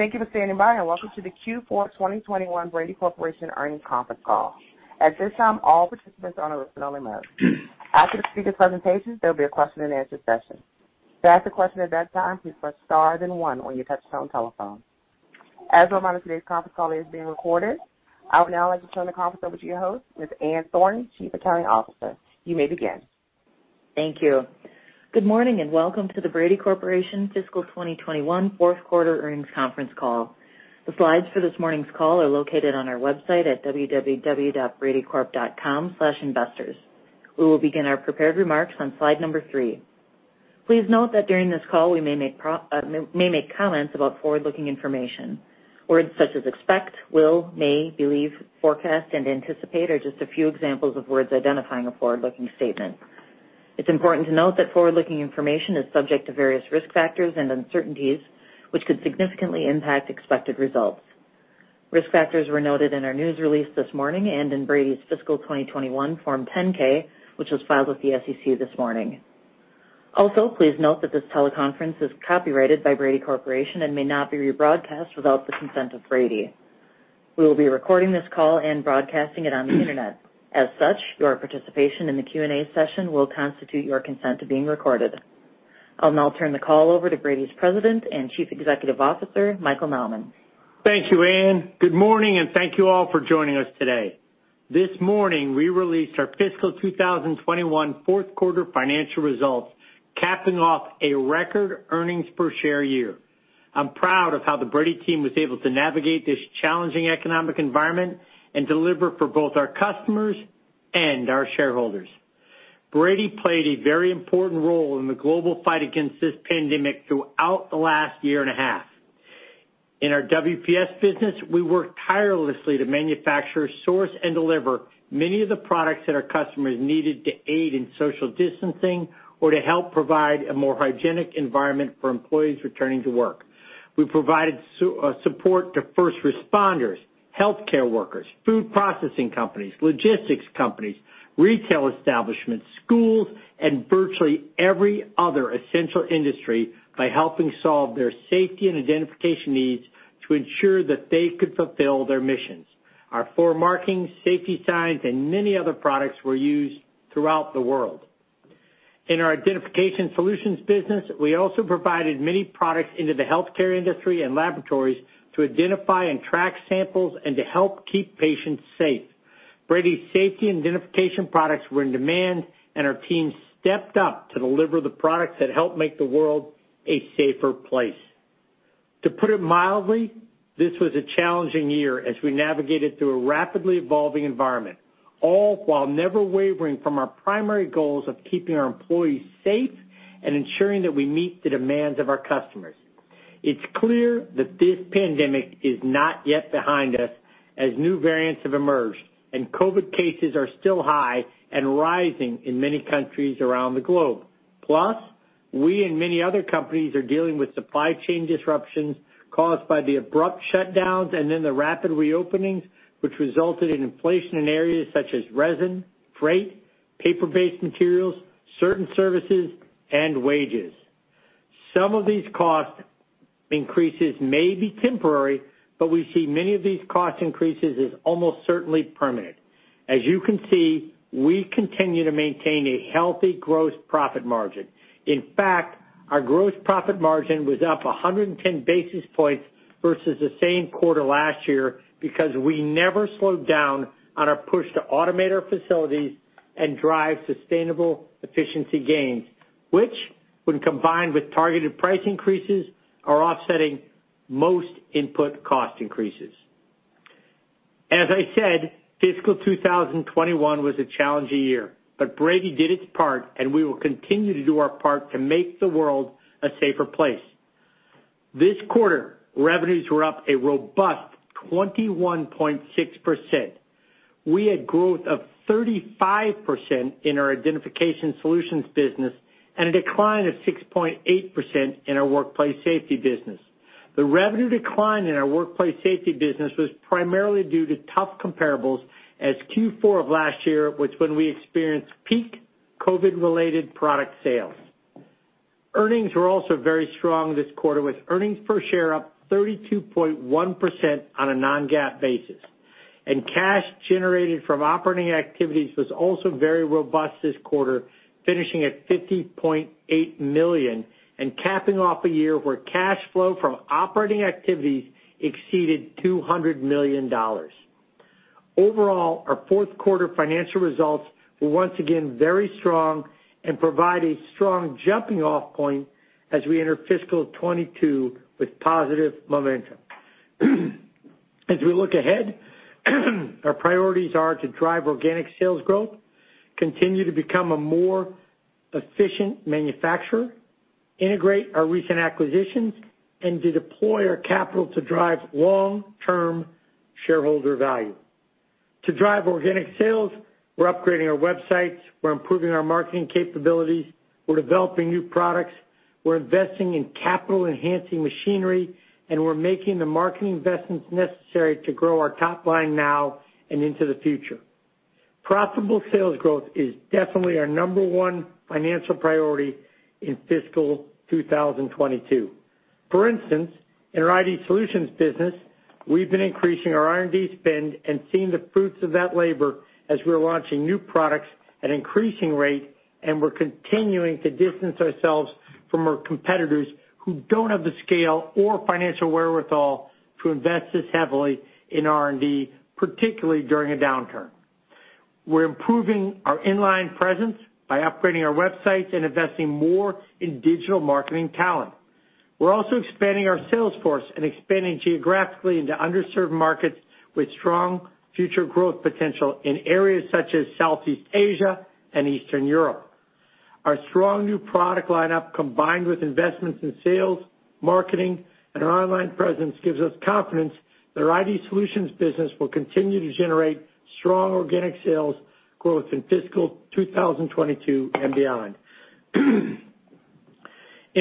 Thank you for standing by, and welcome to the Q4 2021 Brady Corporation Earnings Conference Call. At this time, all participants are on a listen-only mode. After the speaker presentations, there will be a question-and-answer session. To ask a question at that time, please press star then 1 on your touchtone telephone. As a reminder, today's conference call is being recorded. I would now like to turn the conference over to your host, Ms. Ann Thornton, Chief Accounting Officer. You may begin. Thank you. Good morning, and welcome to the Brady Corporation Fiscal 2021 fourth quarter earnings conference call. The slides for this morning's call are located on our website at www.bradycorp.com/investors. We will begin our prepared remarks on slide number 3. Please note that during this call, we may make comments about forward-looking information. Words such as expect, will, may, believe, forecast, and anticipate are just a few examples of words identifying a forward-looking statement. It's important to note that forward-looking information is subject to various risk factors and uncertainties, which could significantly impact expected results. Risk factors were noted in our news release this morning and in Brady's fiscal 2021 Form 10-K, which was filed with the SEC this morning. Also, please note that this teleconference is copyrighted by Brady Corporation and may not be rebroadcast without the consent of Brady. We will be recording this call and broadcasting it on the internet. As such, your participation in the Q&A session will constitute your consent to being recorded. I'll now turn the call over to Brady's President and Chief Executive Officer, Michael Nauman. Thank you, Ann. Good morning. Thank you all for joining us today. This morning, we released our fiscal 2021 fourth-quarter financial results, capping off a record earnings per share year. I'm proud of how the Brady team was able to navigate this challenging economic environment and deliver for both our customers and our shareholders. Brady played a very important role in the global fight against this pandemic throughout the last year and a half. In our WPS business, we worked tirelessly to manufacture, source, and deliver many of the products that our customers needed to aid in social distancing or to help provide a more hygienic environment for employees returning to work. We provided support to first responders, healthcare workers, food processing companies, logistics companies, retail establishments, schools, and virtually every other essential industry by helping solve their safety and identification needs to ensure that they could fulfill their missions. Our floor markings, safety signs, and many other products were used throughout the world. In our Identification Solutions business, we also provided many products into the healthcare industry and laboratories to identify and track samples and to help keep patients safe. Brady's safety identification products were in demand, and our team stepped up to deliver the products that help make the world a safer place. To put it mildly, this was a challenging year as we navigated through a rapidly evolving environment, all while never wavering from our primary goals of keeping our employees safe and ensuring that we meet the demands of our customers. It's clear that this pandemic is not yet behind us as new variants have emerged and COVID-19 cases are still high and rising in many countries around the globe. We and many other companies are dealing with supply chain disruptions caused by the abrupt shutdowns and then the rapid reopenings, which resulted in inflation in areas such as resin, freight, paper-based materials, certain services, and wages. Some of these cost increases may be temporary, but we see many of these cost increases as almost certainly permanent. As you can see, we continue to maintain a healthy gross profit margin. In fact, our gross profit margin was up 110 basis points versus the same quarter last year because we never slowed down on our push to automate our facilities and drive sustainable efficiency gains, which, when combined with targeted price increases, are offsetting most input cost increases. As I said, fiscal 2021 was a challenging year, but Brady did its part. We will continue to do our part to make the world a safer place. This quarter, revenues were up a robust 21.6%. We had growth of 35% in our Identification Solutions business and a decline of 6.8% in our Workplace Safety business. The revenue decline in our Workplace Safety business was primarily due to tough comparables as Q4 of last year was when we experienced peak COVID-related product sales. Earnings were also very strong this quarter, with earnings per share up 32.1% on a non-GAAP basis. Cash generated from operating activities was also very robust this quarter, finishing at $50.8 million and capping off a year where cash flow from operating activities exceeded $200 million. Overall, our fourth-quarter financial results were once again very strong and provide a strong jumping-off point as we enter fiscal 2022 with positive momentum. As we look ahead, our priorities are to drive organic sales growth, continue to become a more efficient manufacturer, integrate our recent acquisitions, and to deploy our capital to drive long-term shareholder value. To drive organic sales, we're upgrading our websites, we're improving our marketing capabilities, we're developing new products, we're investing in capital-enhancing machinery, and we're making the marketing investments necessary to grow our top line now and into the future. Profitable sales growth is definitely our number 1 financial priority in fiscal 2022. For instance, in our Identification Solutions business, we've been increasing our R&D spend and seeing the fruits of that labor as we're launching new products at increasing rate, and we're continuing to distance ourselves from our competitors who don't have the scale or financial wherewithal to invest this heavily in R&D, particularly during a downturn. We're improving our inline presence by upgrading our websites and investing more in digital marketing talent. We're also expanding our sales force and expanding geographically into underserved markets with strong future growth potential in areas such as Southeast Asia and Eastern Europe. Our strong new product lineup, combined with investments in sales, marketing, and our online presence, gives us confidence that our Identification Solutions business will continue to generate strong organic sales growth in fiscal 2022 and beyond. In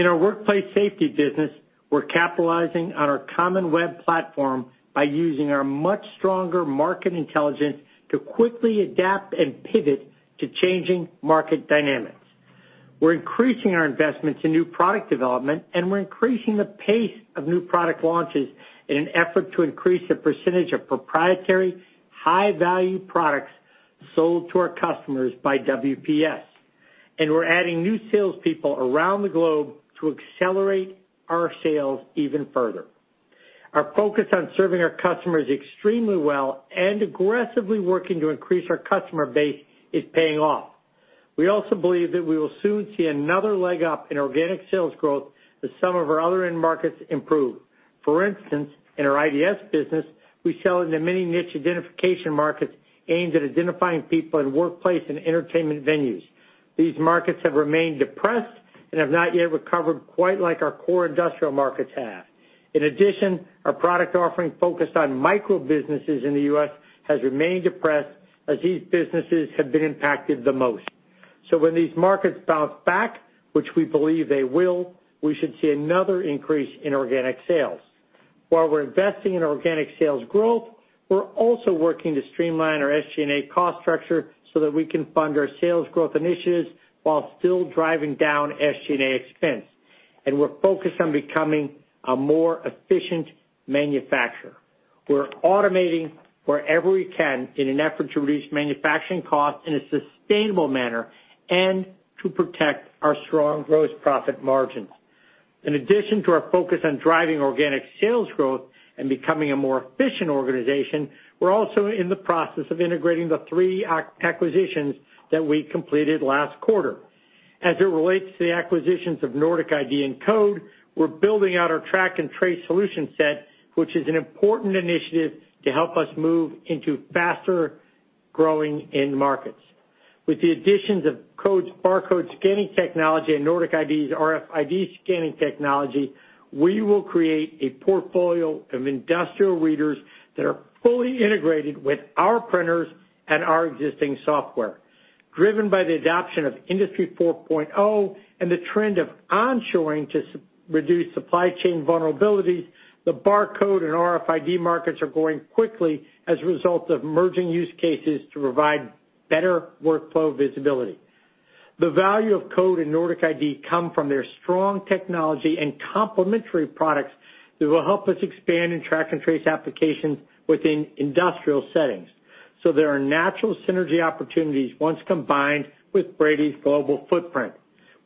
our Workplace Safety business, we're capitalizing on our common web platform by using our much stronger market intelligence to quickly adapt and pivot to changing market dynamics. We're increasing our investments in new product development, we're increasing the pace of new product launches in an effort to increase the percentage of proprietary, high-value products sold to our customers by WPS. We're adding new salespeople around the globe to accelerate our sales even further. Our focus on serving our customers extremely well and aggressively working to increase our customer base is paying off. We also believe that we will soon see another leg up in organic sales growth as some of our other end markets improve. For instance, in our IDS business, we sell into many niche identification markets aimed at identifying people in workplace and entertainment venues. These markets have remained depressed and have not yet recovered quite like our core industrial markets have. In addition, our product offering focused on micro businesses in the U.S. has remained depressed as these businesses have been impacted the most. When these markets bounce back, which we believe they will, we should see another increase in organic sales. While we're investing in organic sales growth, we're also working to streamline our SG&A cost structure so that we can fund our sales growth initiatives while still driving down SG&A expense. We're focused on becoming a more efficient manufacturer. We're automating wherever we can in an effort to reduce manufacturing costs in a sustainable manner and to protect our strong gross profit margins. In addition to our focus on driving organic sales growth and becoming a more efficient organization, we're also in the process of integrating the three acquisitions that we completed last quarter. As it relates to the acquisitions of Nordic ID and Code, we're building out our track and trace solution set, which is an important initiative to help us move into faster-growing end markets. With the additions of Code's barcode scanning technology and Nordic ID's RFID scanning technology, we will create a portfolio of industrial readers that are fully integrated with our printers and our existing software. Driven by the adoption of Industry 4.0 and the trend of onshoring to reduce supply chain vulnerabilities, the barcode and RFID markets are growing quickly as a result of merging use cases to provide better workflow visibility. The value of Code and Nordic ID come from their strong technology and complementary products that will help us expand in track and trace applications within industrial settings. There are natural synergy opportunities once combined with Brady's global footprint.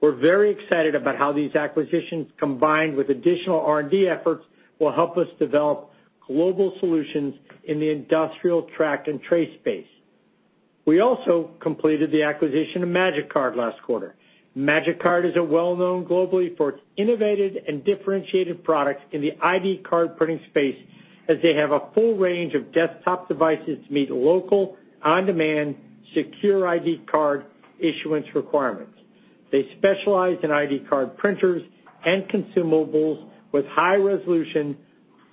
We're very excited about how these acquisitions, combined with additional R&D efforts, will help us develop global solutions in the industrial track and trace space. We also completed the acquisition of Magicard last quarter. Magicard is well known globally for its innovative and differentiated products in the ID card printing space, as they have a full range of desktop devices to meet local, on-demand, secure ID card issuance requirements. They specialize in ID card printers and consumables with high-resolution,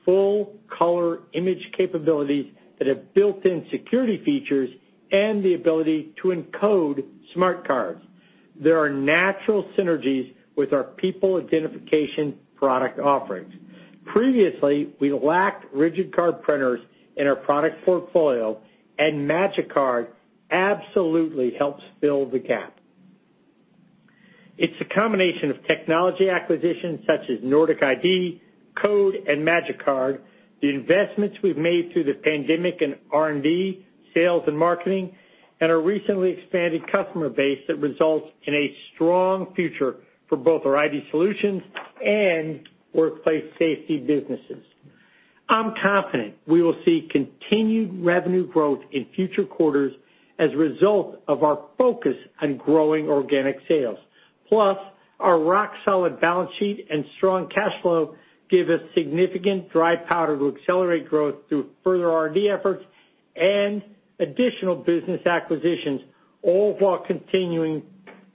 full-color image capabilities that have built-in security features and the ability to encode smart cards. There are natural synergies with our people identification product offerings. Previously, we lacked rigid card printers in our product portfolio, and Magicard absolutely helps fill the gap. It's a combination of technology acquisitions such as Nordic ID, Code, and Magicard, the investments we've made through the pandemic in R&D, sales, and marketing, and our recently expanded customer base that results in a strong future for both our ID Solutions and Workplace Safety businesses. I'm confident we will see continued revenue growth in future quarters as a result of our focus on growing organic sales. Our rock-solid balance sheet and strong cash flow give us significant dry powder to accelerate growth through further R&D efforts and additional business acquisitions, all while continuing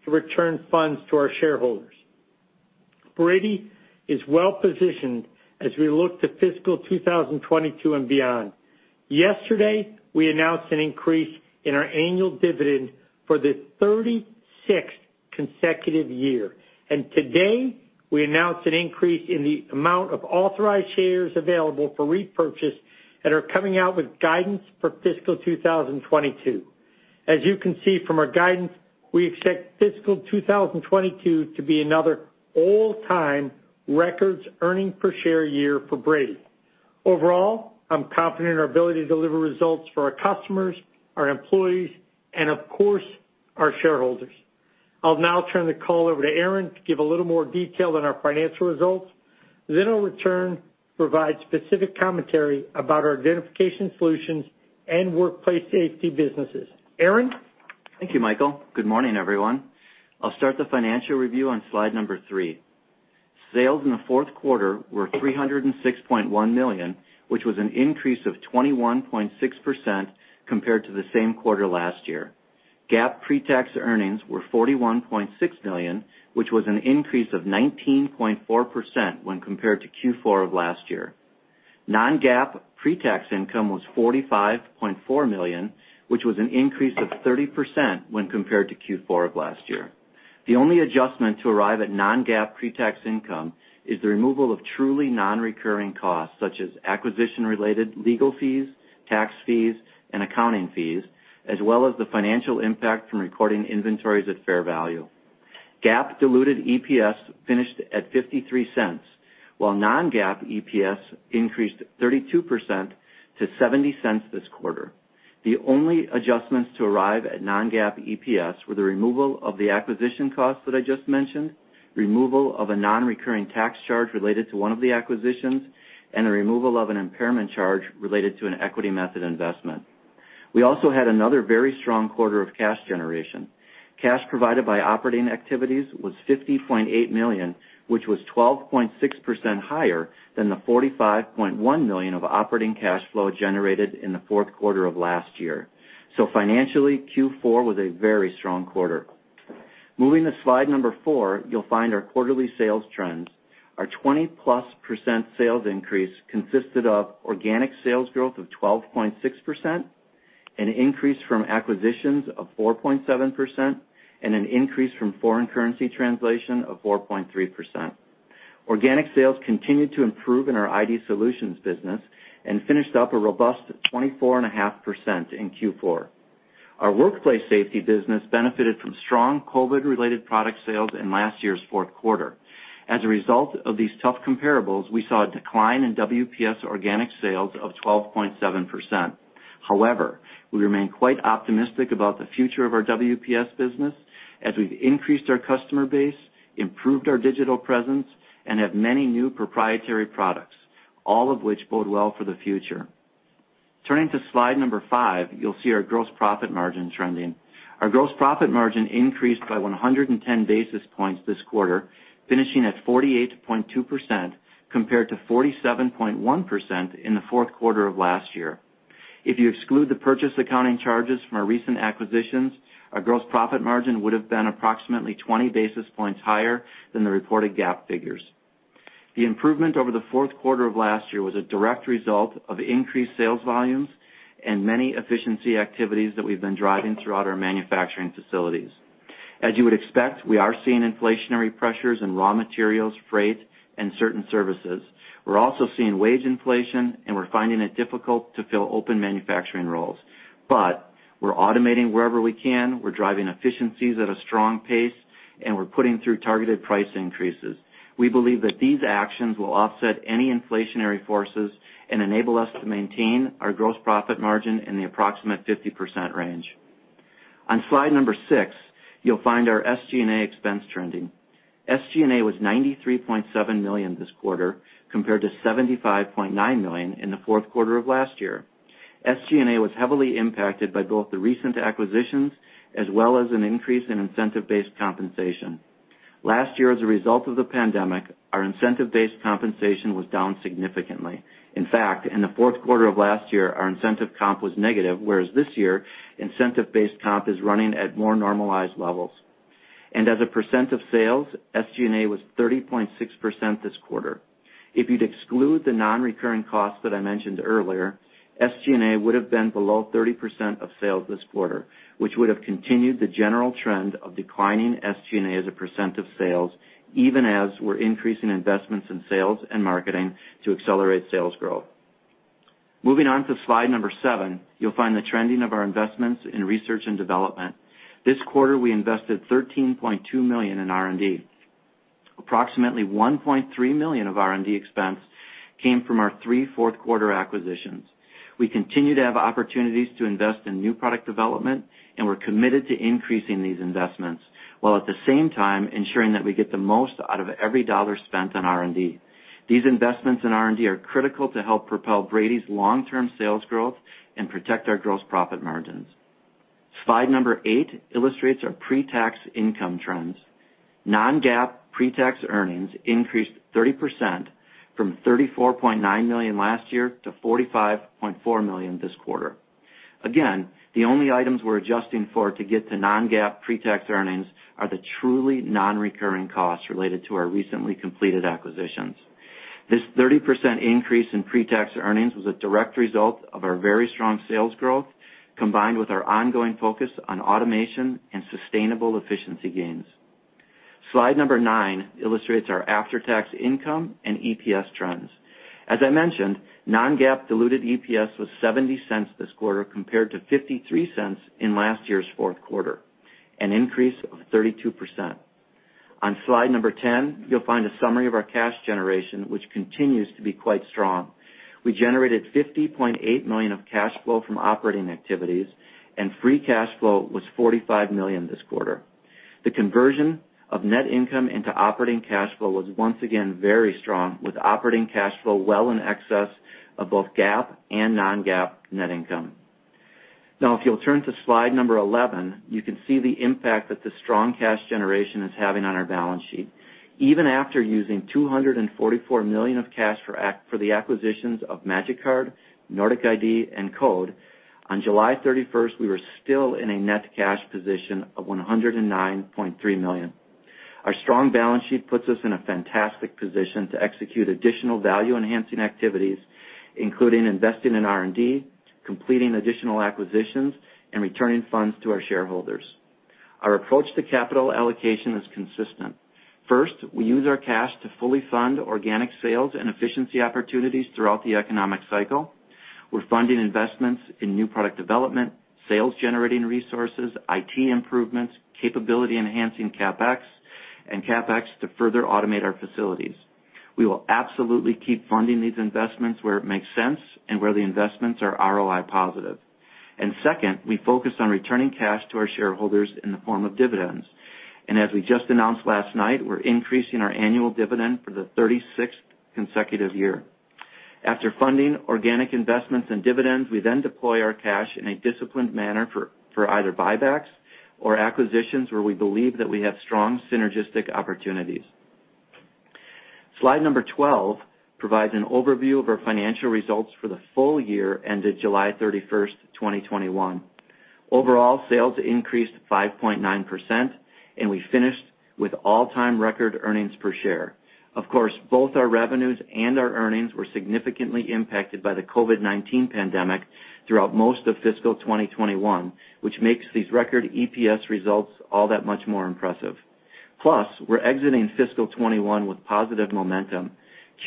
to return funds to our shareholders. Brady is well positioned as we look to fiscal 2022 and beyond. Yesterday, we announced an increase in our annual dividend for the 36th consecutive year. Today, we announce an increase in the amount of authorized shares available for repurchase that are coming out with guidance for fiscal 2022. As you can see from our guidance, we expect fiscal 2022 to be another all-time record earnings per share year for Brady. Overall, I'm confident in our ability to deliver results for our customers, our employees, and of course, our shareholders. I'll now turn the call over to Aaron to give a little more detail on our financial results. I'll return to provide specific commentary about our Identification Solutions and Workplace Safety businesses. Aaron? Thank you, Michael. Good morning, everyone. I'll start the financial review on slide number 3. Sales in the fourth quarter were $306.1 million, which was an increase of 21.6% compared to the same quarter last year. GAAP pre-tax earnings were $41.6 million, which was an increase of 19.4% when compared to Q4 of last year. Non-GAAP pre-tax income was $45.4 million, which was an increase of 30% when compared to Q4 of last year. The only adjustment to arrive at non-GAAP pre-tax income is the removal of truly non-recurring costs, such as acquisition-related legal fees, tax fees, and accounting fees, as well as the financial impact from recording inventories at fair value. GAAP diluted EPS finished at $0.53, while non-GAAP EPS increased 32% to $0.70 this quarter. The only adjustments to arrive at non-GAAP EPS were the removal of the acquisition costs that I just mentioned, removal of a non-recurring tax charge related to one of the acquisitions, and the removal of an impairment charge related to an equity method investment. We also had another very strong quarter of cash generation. Cash provided by operating activities was $50.8 million, which was 12.6% higher than the $45.1 million of operating cash flow generated in the fourth quarter of last year. Financially, Q4 was a very strong quarter. Moving to slide number 4, you'll find our quarterly sales trends. Our 20-plus% sales increase consisted of organic sales growth of 12.6%, an increase from acquisitions of 4.7%, and an increase from foreign currency translation of 4.3%. Organic sales continued to improve in our Identification Solutions business and finished up a robust 24.5% in Q4. Our Workplace Safety business benefited from strong COVID-related product sales in last year's fourth quarter. As a result of these tough comparables, we saw a decline in WPS organic sales of 12.7%. We remain quite optimistic about the future of our WPS business as we've increased our customer base, improved our digital presence, and have many new proprietary products. All of which bode well for the future. Turning to slide number 5, you'll see our gross profit margin trending. Our gross profit margin increased by 110 basis points this quarter, finishing at 48.2% compared to 47.1% in the fourth quarter of last year. If you exclude the purchase accounting charges from our recent acquisitions, our gross profit margin would've been approximately 20 basis points higher than the reported GAAP figures. The improvement over the fourth quarter of last year was a direct result of increased sales volumes and many efficiency activities that we've been driving throughout our manufacturing facilities. As you would expect, we are seeing inflationary pressures in raw materials, freight, and certain services. We're also seeing wage inflation, and we're finding it difficult to fill open manufacturing roles. We're automating wherever we can. We're driving efficiencies at a strong pace, and we're putting through targeted price increases. We believe that these actions will offset any inflationary forces and enable us to maintain our gross profit margin in the approximate 50% range. On slide number 6, you'll find our SG&A expense trending. SG&A was $93.7 million this quarter, compared to $75.9 million in the fourth quarter of last year. SG&A was heavily impacted by both the recent acquisitions as well as an increase in incentive-based compensation. Last year as a result of the pandemic, our incentive-based compensation was down significantly. In fact, in the fourth quarter of last year, our incentive comp was negative, whereas this year, incentive-based comp is running at more normalized levels. As a percent of sales, SG&A was 30.6% this quarter. If you'd exclude the non-recurring costs that I mentioned earlier, SG&A would've been below 30% of sales this quarter, which would've continued the general trend of declining SG&A as a percent of sales, even as we're increasing investments in sales and marketing to accelerate sales growth. Moving on to slide number 7, you'll find the trending of our investments in research and development. This quarter, we invested $13.2 million in R&D. Approximately $1.3 million of R&D expense came from our 3 fourth-quarter acquisitions. We continue to have opportunities to invest in new product development, and we're committed to increasing these investments, while at the same time ensuring that we get the most out of every dollar spent on R&D. These investments in R&D are critical to help propel Brady's long-term sales growth and protect our gross profit margins. Slide number 8 illustrates our pre-tax income trends. Non-GAAP pre-tax earnings increased 30% from $34.9 million last year to $45.4 million this quarter. Again, the only items we're adjusting for to get to non-GAAP pre-tax earnings are the truly non-recurring costs related to our recently completed acquisitions. This 30% increase in pre-tax earnings was a direct result of our very strong sales growth, combined with our ongoing focus on automation and sustainable efficiency gains. Slide number 9 illustrates our after-tax income and EPS trends. As I mentioned, non-GAAP diluted EPS was $0.70 this quarter, compared to $0.53 in last year's fourth quarter, an increase of 32%. On slide number 10, you'll find a summary of our cash generation, which continues to be quite strong. We generated $50.8 million of cash flow from operating activities, and free cash flow was $45 million this quarter. The conversion of net income into operating cash flow was once again very strong, with operating cash flow well in excess of both GAAP and non-GAAP net income. If you'll turn to slide number 11, you can see the impact that the strong cash generation is having on our balance sheet. Even after using $244 million of cash for the acquisitions of Magicard, Nordic ID, and CODE, on July 31st, we were still in a net cash position of $109.3 million. Our strong balance sheet puts us in a fantastic position to execute additional value-enhancing activities, including investing in R&D, completing additional acquisitions, and returning funds to our shareholders. Our approach to capital allocation is consistent. First, we use our cash to fully fund organic sales and efficiency opportunities throughout the economic cycle. We're funding investments in new product development, sales-generating resources, IT improvements, capability-enhancing CapEx, and CapEx to further automate our facilities. We will absolutely keep funding these investments where it makes sense and where the investments are ROI positive. Second, we focus on returning cash to our shareholders in the form of dividends. As we just announced last night, we're increasing our annual dividend for the 36th consecutive year. After funding organic investments and dividends, we then deploy our cash in a disciplined manner for either buybacks or acquisitions where we believe that we have strong synergistic opportunities. Slide number 12 provides an overview of our financial results for the full year ended July 31st, 2021. Overall, sales increased 5.9%, and we finished with all-time record earnings per share. Of course, both our revenues and our earnings were significantly impacted by the COVID-19 pandemic throughout most of fiscal 2021, which makes these record EPS results all that much more impressive. We're exiting fiscal 2021 with positive momentum.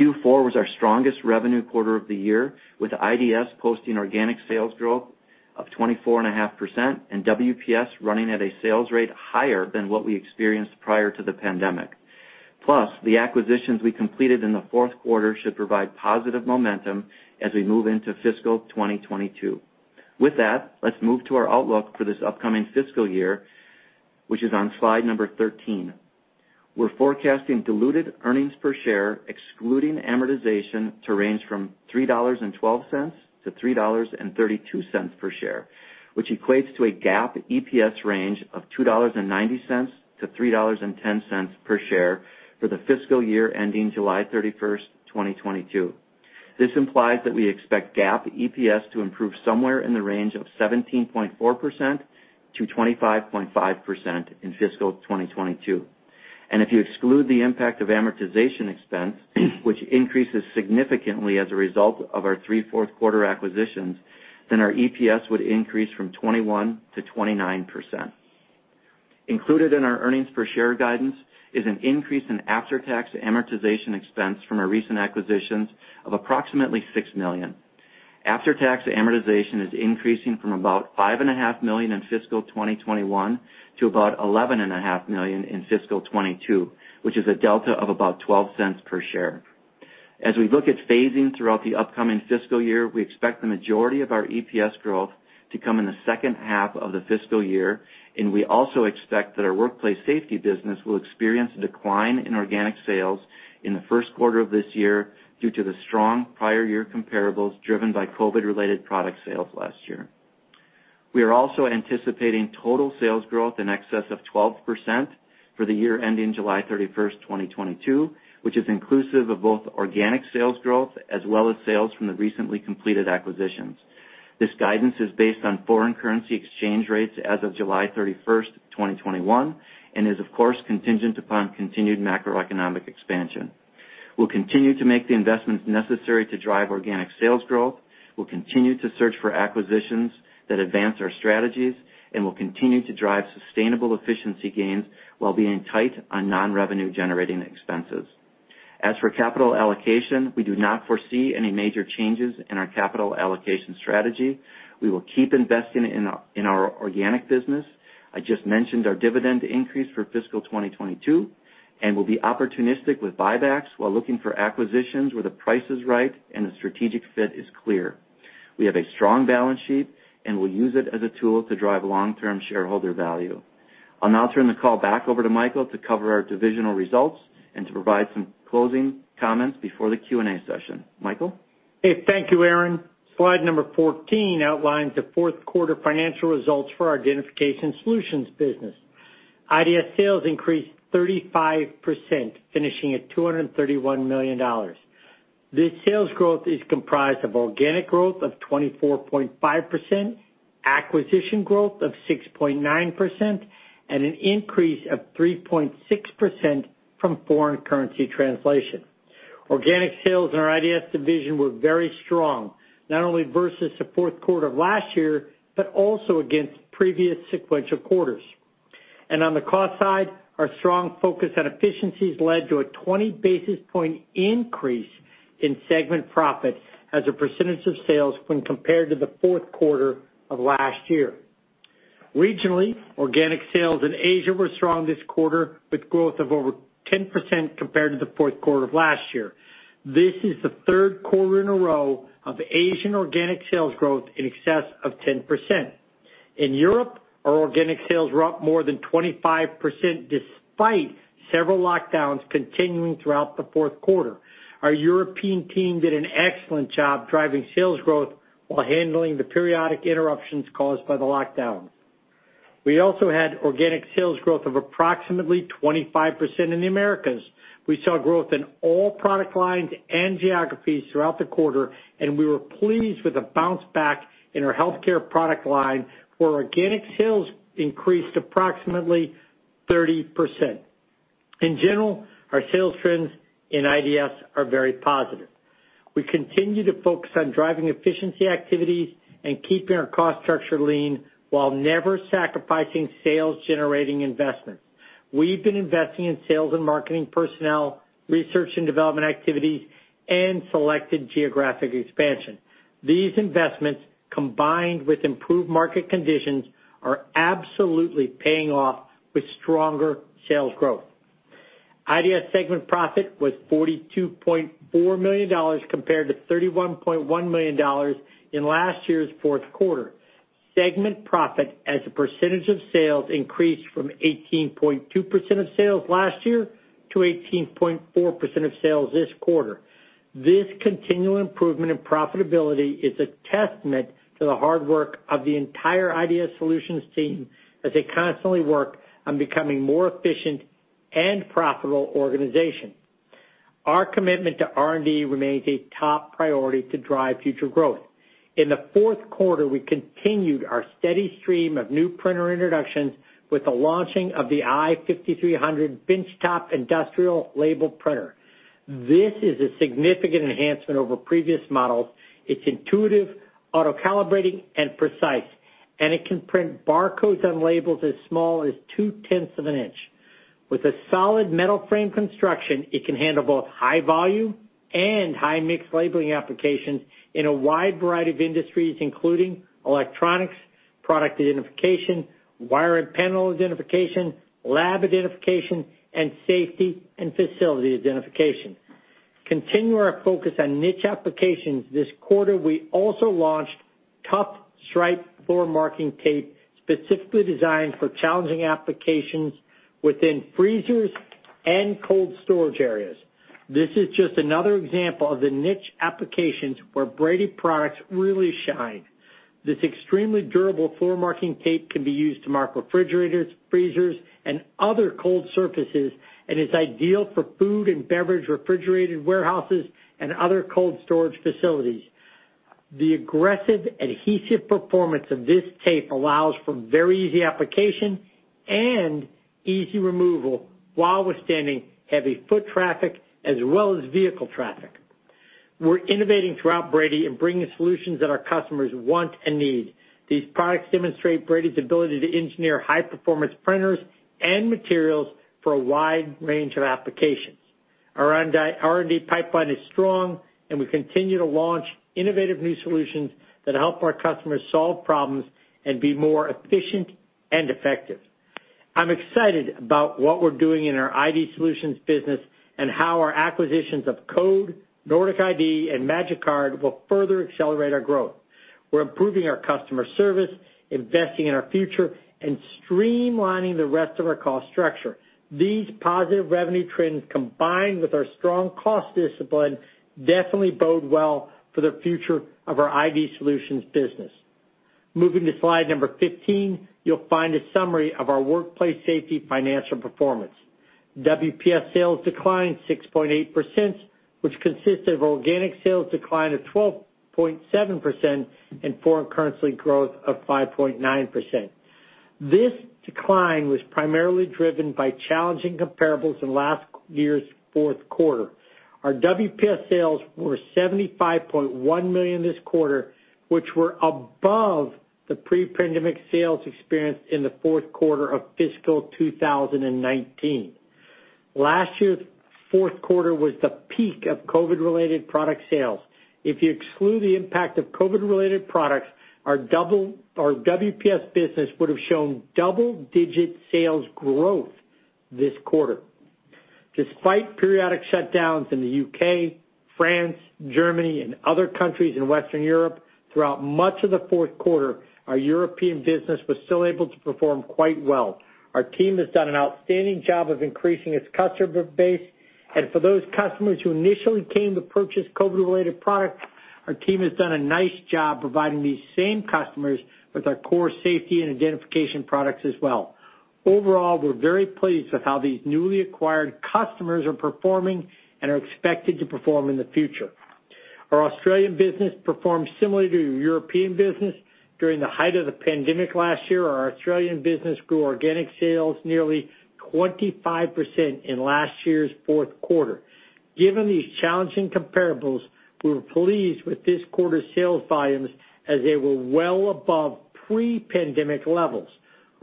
Q4 was our strongest revenue quarter of the year, with IDS posting organic sales growth of 24.5% and WPS running at a sales rate higher than what we experienced prior to the pandemic. The acquisitions we completed in the fourth quarter should provide positive momentum as we move into fiscal 2022. With that, let's move to our outlook for this upcoming fiscal year, which is on slide number 13. We're forecasting diluted earnings per share, excluding amortization, to range from $3.12-$3.32 per share, which equates to a GAAP EPS range of $2.90-$3.10 per share for the fiscal year ending July 31st, 2022. This implies that we expect GAAP EPS to improve somewhere in the range of 17.4%-25.5% in fiscal 2022. If you exclude the impact of amortization expense, which increases significantly as a result of our 3 fourth quarter acquisitions, then our EPS would increase from 21%-29%. Included in our earnings per share guidance is an increase in after-tax amortization expense from our recent acquisitions of approximately $6 million. After-tax amortization is increasing from about $5.5 million in fiscal 2021 to about $11.5 million in fiscal 2022, which is a delta of about $0.12 per share. As we look at phasing throughout the upcoming fiscal year, we expect the majority of our EPS growth to come in the second half of the fiscal year. We also expect that our Workplace Safety business will experience a decline in organic sales in the first quarter of this year due to the strong prior year comparables driven by COVID-related product sales last year. We are also anticipating total sales growth in excess of 12% for the year ending July 31st, 2022, which is inclusive of both organic sales growth as well as sales from the recently completed acquisitions. This guidance is based on foreign currency exchange rates as of July 31st, 2021, and is of course contingent upon continued macroeconomic expansion. We'll continue to make the investments necessary to drive organic sales growth. We'll continue to search for acquisitions that advance our strategies, and we'll continue to drive sustainable efficiency gains while being tight on non-revenue generating expenses. As for capital allocation, we do not foresee any major changes in our capital allocation strategy. We will keep investing in our organic business. I just mentioned our dividend increase for fiscal 2022, and we'll be opportunistic with buybacks while looking for acquisitions where the price is right and the strategic fit is clear. We have a strong balance sheet, and we'll use it as a tool to drive long-term shareholder value. I'll now turn the call back over to Michael to cover our divisional results and to provide some closing comments before the Q&A session. Michael? Hey. Thank you, Aaron. Slide number 14 outlines the fourth quarter financial results for our Identification Solutions business. IDS sales increased 35%, finishing at $231 million. This sales growth is comprised of organic growth of 24.5%. Acquisition growth of 6.9% and an increase of 3.6% from foreign currency translation. Organic sales in our IDS division were very strong, not only versus the fourth quarter of last year, but also against previous sequential quarters. On the cost side, our strong focus on efficiencies led to a 20 basis point increase in segment profit as a percentage of sales when compared to the fourth quarter of last year. Regionally, organic sales in Asia were strong this quarter, with growth of over 10% compared to the fourth quarter of last year. This is the third quarter in a row of Asian organic sales growth in excess of 10%. In Europe, our organic sales were up more than 25%, despite several lockdowns continuing throughout the fourth quarter. Our European team did an excellent job driving sales growth while handling the periodic interruptions caused by the lockdowns. We also had organic sales growth of approximately 25% in the Americas. We saw growth in all product lines and geographies throughout the quarter, and we were pleased with the bounce-back in our healthcare product line, where organic sales increased approximately 30%. In general, our sales trends in IDS are very positive. We continue to focus on driving efficiency activities and keeping our cost structure lean while never sacrificing sales-generating investment. We've been investing in sales and marketing personnel, research and development activities, and selected geographic expansion. These investments, combined with improved market conditions, are absolutely paying off with stronger sales growth. IDS segment profit was $42.4 million, compared to $31.1 million in last year's fourth quarter. Segment profit as a percentage of sales increased from 18.2% of sales last year to 18.4% of sales this quarter. This continual improvement in profitability is a testament to the hard work of the entire IDS Solutions team as they constantly work on becoming more efficient and profitable organization. Our commitment to R&D remains a top priority to drive future growth. In the fourth quarter, we continued our steady stream of new printer introductions with the launching of the i5300 bench-top industrial label printer. This is a significant enhancement over previous models. It's intuitive, auto-calibrating, and precise, and it can print barcodes on labels as small as two-tenths of an inch. With a solid metal frame construction, it can handle both high volume and high mix labeling applications in a wide variety of industries, including electronics, product identification, wire and panel identification, lab identification, and safety and facility identification. Continuing our focus on niche applications this quarter, we also launched ToughStripe floor marking tape specifically designed for challenging applications within freezers and cold storage areas. This is just another example of the niche applications where Brady products really shine. This extremely durable floor marking tape can be used to mark refrigerators, freezers, and other cold surfaces, and is ideal for food and beverage refrigerated warehouses and other cold storage facilities. The aggressive adhesive performance of this tape allows for very easy application and easy removal while withstanding heavy foot traffic as well as vehicle traffic. We're innovating throughout Brady and bringing solutions that our customers want and need. These products demonstrate Brady's ability to engineer high-performance printers and materials for a wide range of applications. Our R&D pipeline is strong. We continue to launch innovative new solutions that help our customers solve problems and be more efficient and effective. I'm excited about what we're doing in our Identification Solutions business and how our acquisitions of Code, Nordic ID, and Magicard will further accelerate our growth. We're improving our customer service, investing in our future, and streamlining the rest of our cost structure. These positive revenue trends, combined with our strong cost discipline, definitely bode well for the future of our Identification Solutions business. Moving to slide number 15, you'll find a summary of our Workplace Safety financial performance. WPS sales declined 6.8%, which consists of organic sales decline of 12.7% and foreign currency growth of 5.9%. This decline was primarily driven by challenging comparables in last year's fourth quarter. Our WPS sales were $75.1 million this quarter, which were above the pre-pandemic sales experienced in the fourth quarter of fiscal 2019. Last year's fourth quarter was the peak of COVID-related product sales. If you exclude the impact of COVID-related products, our WPS business would have shown double-digit sales growth this quarter. Despite periodic shutdowns in the U.K., France, Germany, and other countries in Western Europe, throughout much of the fourth quarter, our European business was still able to perform quite well. Our team has done an outstanding job of increasing its customer base, and for those customers who initially came to purchase COVID-related products, our team has done a nice job providing these same customers with our core safety and identification products as well. Overall, we're very pleased with how these newly acquired customers are performing and are expected to perform in the future. Our Australian business performed similarly to our European business. During the height of the pandemic last year, our Australian business grew organic sales nearly 25% in last year's fourth quarter. Given these challenging comparables, we were pleased with this quarter's sales volumes, as they were well above pre-pandemic levels.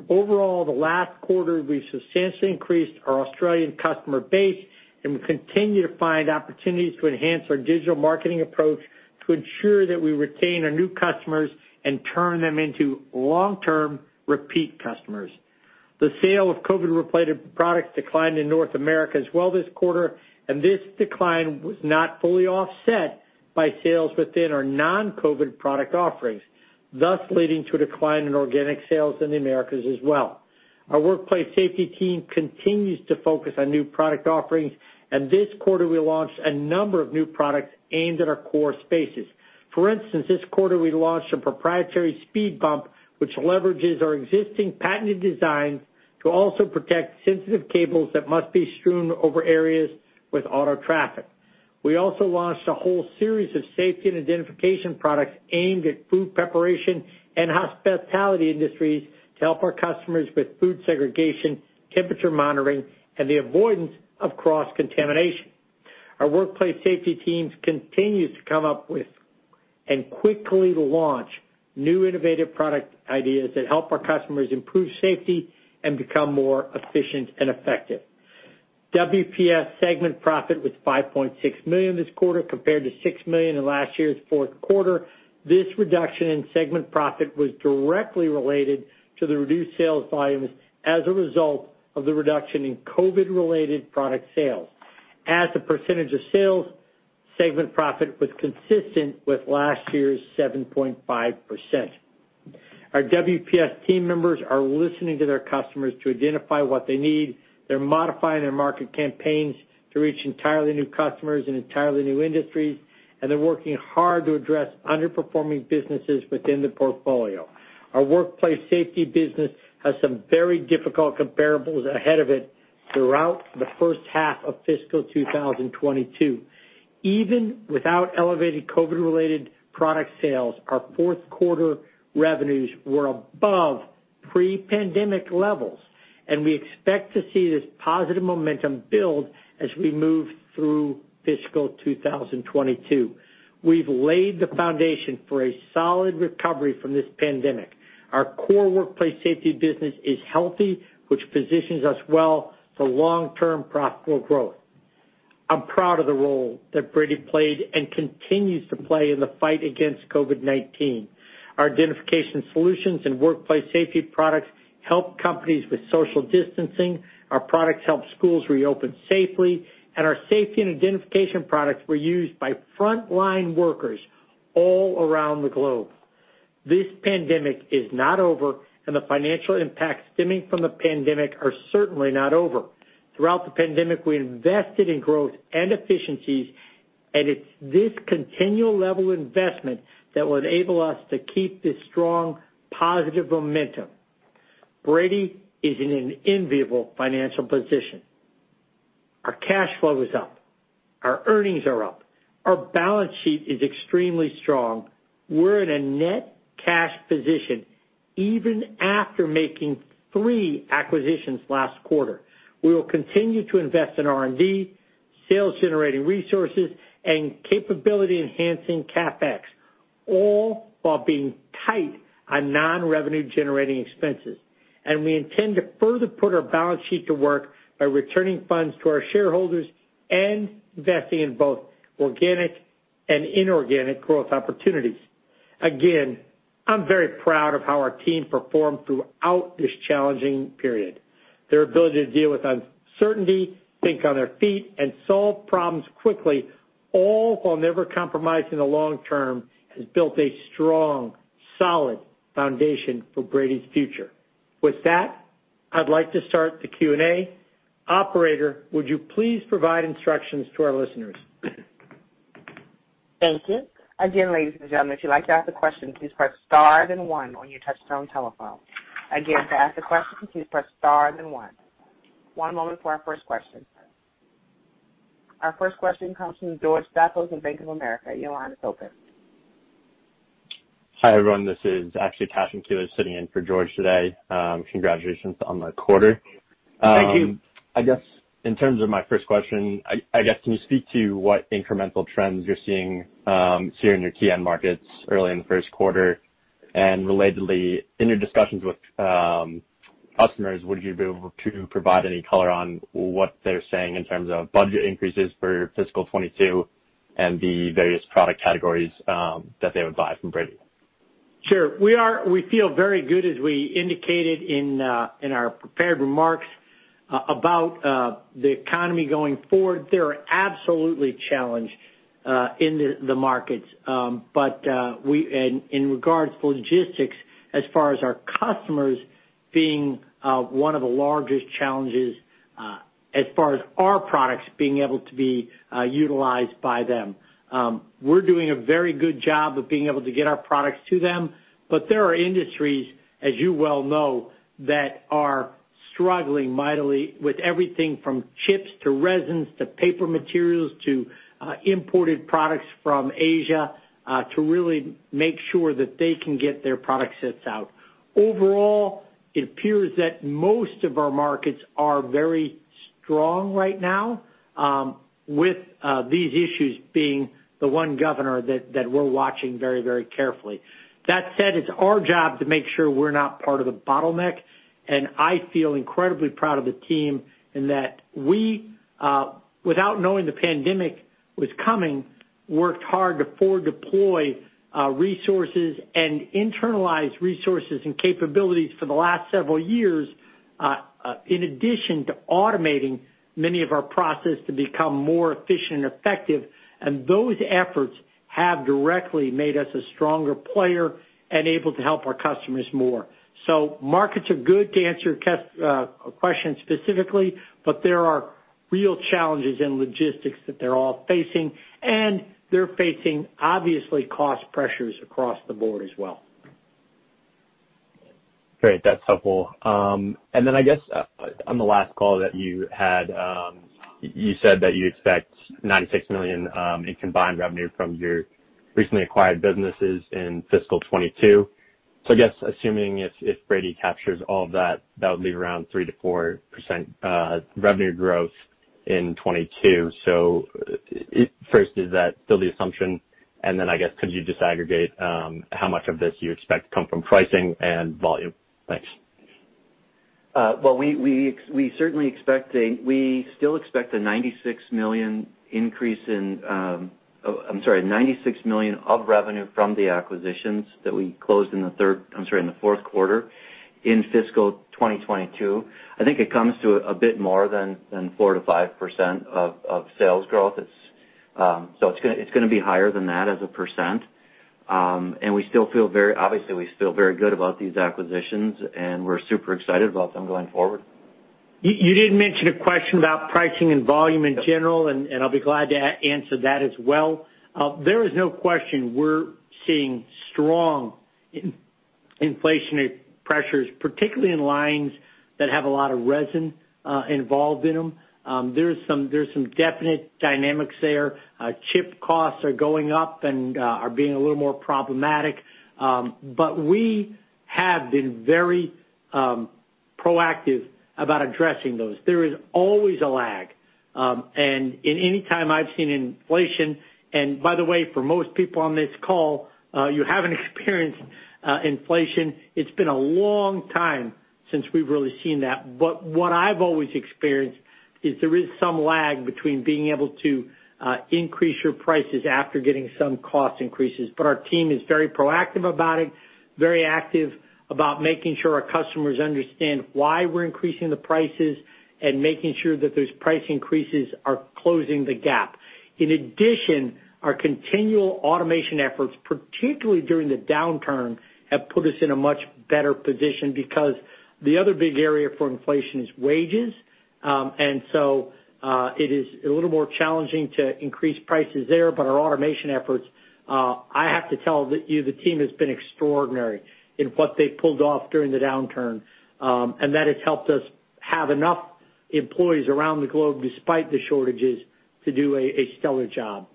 Overall, the last quarter, we've substantially increased our Australian customer base, and we continue to find opportunities to enhance our digital marketing approach to ensure that we retain our new customers and turn them into long-term repeat customers. The sale of COVID-related products declined in North America as well this quarter. This decline was not fully offset by sales within our non-COVID product offerings, thus leading to a decline in organic sales in the Americas as well. Our Workplace Safety team continues to focus on new product offerings. This quarter we launched a number of new products aimed at our core spaces. For instance, this quarter we launched a proprietary speed bump, which leverages our existing patented designs to also protect sensitive cables that must be strewn over areas with auto traffic. We also launched a whole series of safety and identification products aimed at food preparation and hospitality industries to help our customers with food segregation, temperature monitoring, and the avoidance of cross-contamination. Our Workplace Safety teams continue to come up with and quickly launch new innovative product ideas that help our customers improve safety and become more efficient and effective. WPS segment profit was $5.6 million this quarter compared to $6 million in last year's fourth quarter. This reduction in segment profit was directly related to the reduced sales volumes as a result of the reduction in COVID-related product sales. As a percentage of sales, segment profit was consistent with last year's 7.5%. Our WPS team members are listening to their customers to identify what they need. They're modifying their market campaigns to reach entirely new customers in entirely new industries, and they're working hard to address underperforming businesses within the portfolio. Our Workplace Safety business has some very difficult comparables ahead of it throughout the first half of fiscal 2022. Even without elevated COVID-related product sales, our fourth quarter revenues were above pre-pandemic levels, and we expect to see this positive momentum build as we move through fiscal 2022. We've laid the foundation for a solid recovery from this pandemic. Our core Workplace Safety business is healthy, which positions us well for long-term profitable growth. I'm proud of the role that Brady played and continues to play in the fight against COVID-19. Our Identification Solutions and Workplace Safety products help companies with social distancing. Our products help schools reopen safely, and our safety and identification products were used by frontline workers all around the globe. This pandemic is not over, and the financial impacts stemming from the pandemic are certainly not over. Throughout the pandemic, we invested in growth and efficiencies, and it's this continual level of investment that will enable us to keep this strong, positive momentum. Brady is in an enviable financial position. Our cash flow is up. Our earnings are up. Our balance sheet is extremely strong. We're in a net cash position even after making 3 acquisitions last quarter. We will continue to invest in R&D, sales-generating resources, and capability-enhancing CapEx, all while being tight on non-revenue-generating expenses. We intend to further put our balance sheet to work by returning funds to our shareholders and investing in both organic and inorganic growth opportunities. Again, I'm very proud of how our team performed throughout this challenging period. Their ability to deal with uncertainty, think on their feet, and solve problems quickly, all while never compromising the long term, has built a strong, solid foundation for Brady's future. With that, I'd like to start the Q&A. Operator, would you please provide instructions to our listeners? Thank you. Again, ladies and gentlemen, if you'd like to ask a question, please press star then one on your touchtone telephone. Again, to ask a question, please press star then one. One moment for our first question. Our first question comes from George Staphos of Bank of America. Your line is open. Hi, everyone. This is actually Tash Sure. We feel very good, as we indicated in our prepared remarks, about the economy going forward. There are absolutely challenges in the markets. In regards to logistics, as far as our customers being one of the largest challenges. As far as our products being able to be utilized by them. We're doing a very good job of being able to get our products to them, but there are industries, as you well know, that are struggling mightily with everything from chips to resins, to paper materials, to imported products from Asia, to really make sure that they can get their product sets out. Overall, it appears that most of our markets are very strong right now, with these issues being the one governor that we're watching very carefully. That said, it's our job to make sure we're not part of the bottleneck, and I feel incredibly proud of the team in that we, without knowing the pandemic was coming, worked hard to forward deploy resources and internalize resources and capabilities for the last several years, in addition to automating many of our process to become more efficient and effective. Those efforts have directly made us a stronger player and able to help our customers more. Markets are good to answer your question specifically, but there are real challenges in logistics that they're all facing, and they're facing, obviously, cost pressures across the board as well. Great. That's helpful. Then I guess on the last call that you had, you said that you expect $96 million in combined revenue from your recently acquired businesses in fiscal 2022. I guess assuming if Brady captures all of that would leave around 3%-4% revenue growth in 2022. First, does that fill the assumption? Then I guess, could you disaggregate how much of this you expect to come from pricing and volume? Thanks. Well, we still expect $96 million of revenue from the acquisitions that we closed in the fourth quarter in fiscal 2022. I think it comes to a bit more than 4%-5% of sales growth. It's going to be higher than that as a percent. Obviously, we still feel very good about these acquisitions, and we're super excited about them going forward. You did mention a question about pricing and volume in general. I'll be glad to answer that as well. There is no question we are seeing strong inflationary pressures, particularly in lines that have a lot of resin involved in them. There is some definite dynamics there. Chip costs are going up and are being a little more problematic. We have been very proactive about addressing those. There is always a lag. In any time I have seen inflation, by the way, for most people on this call, you haven't experienced inflation. It's been a long time since we have really seen that. What I have always experienced is there is some lag between being able to increase your prices after getting some cost increases. Our team is very proactive about it, very active about making sure our customers understand why we're increasing the prices, and making sure that those price increases are closing the gap. In addition, our continual automation efforts, particularly during the downturn, have put us in a much better position because the other big area for inflation is wages. It is a little more challenging to increase prices there. Our automation efforts, I have to tell you, the team has been extraordinary in what they pulled off during the downturn, and that has helped us have enough employees around the globe, despite the shortages, to do a stellar job.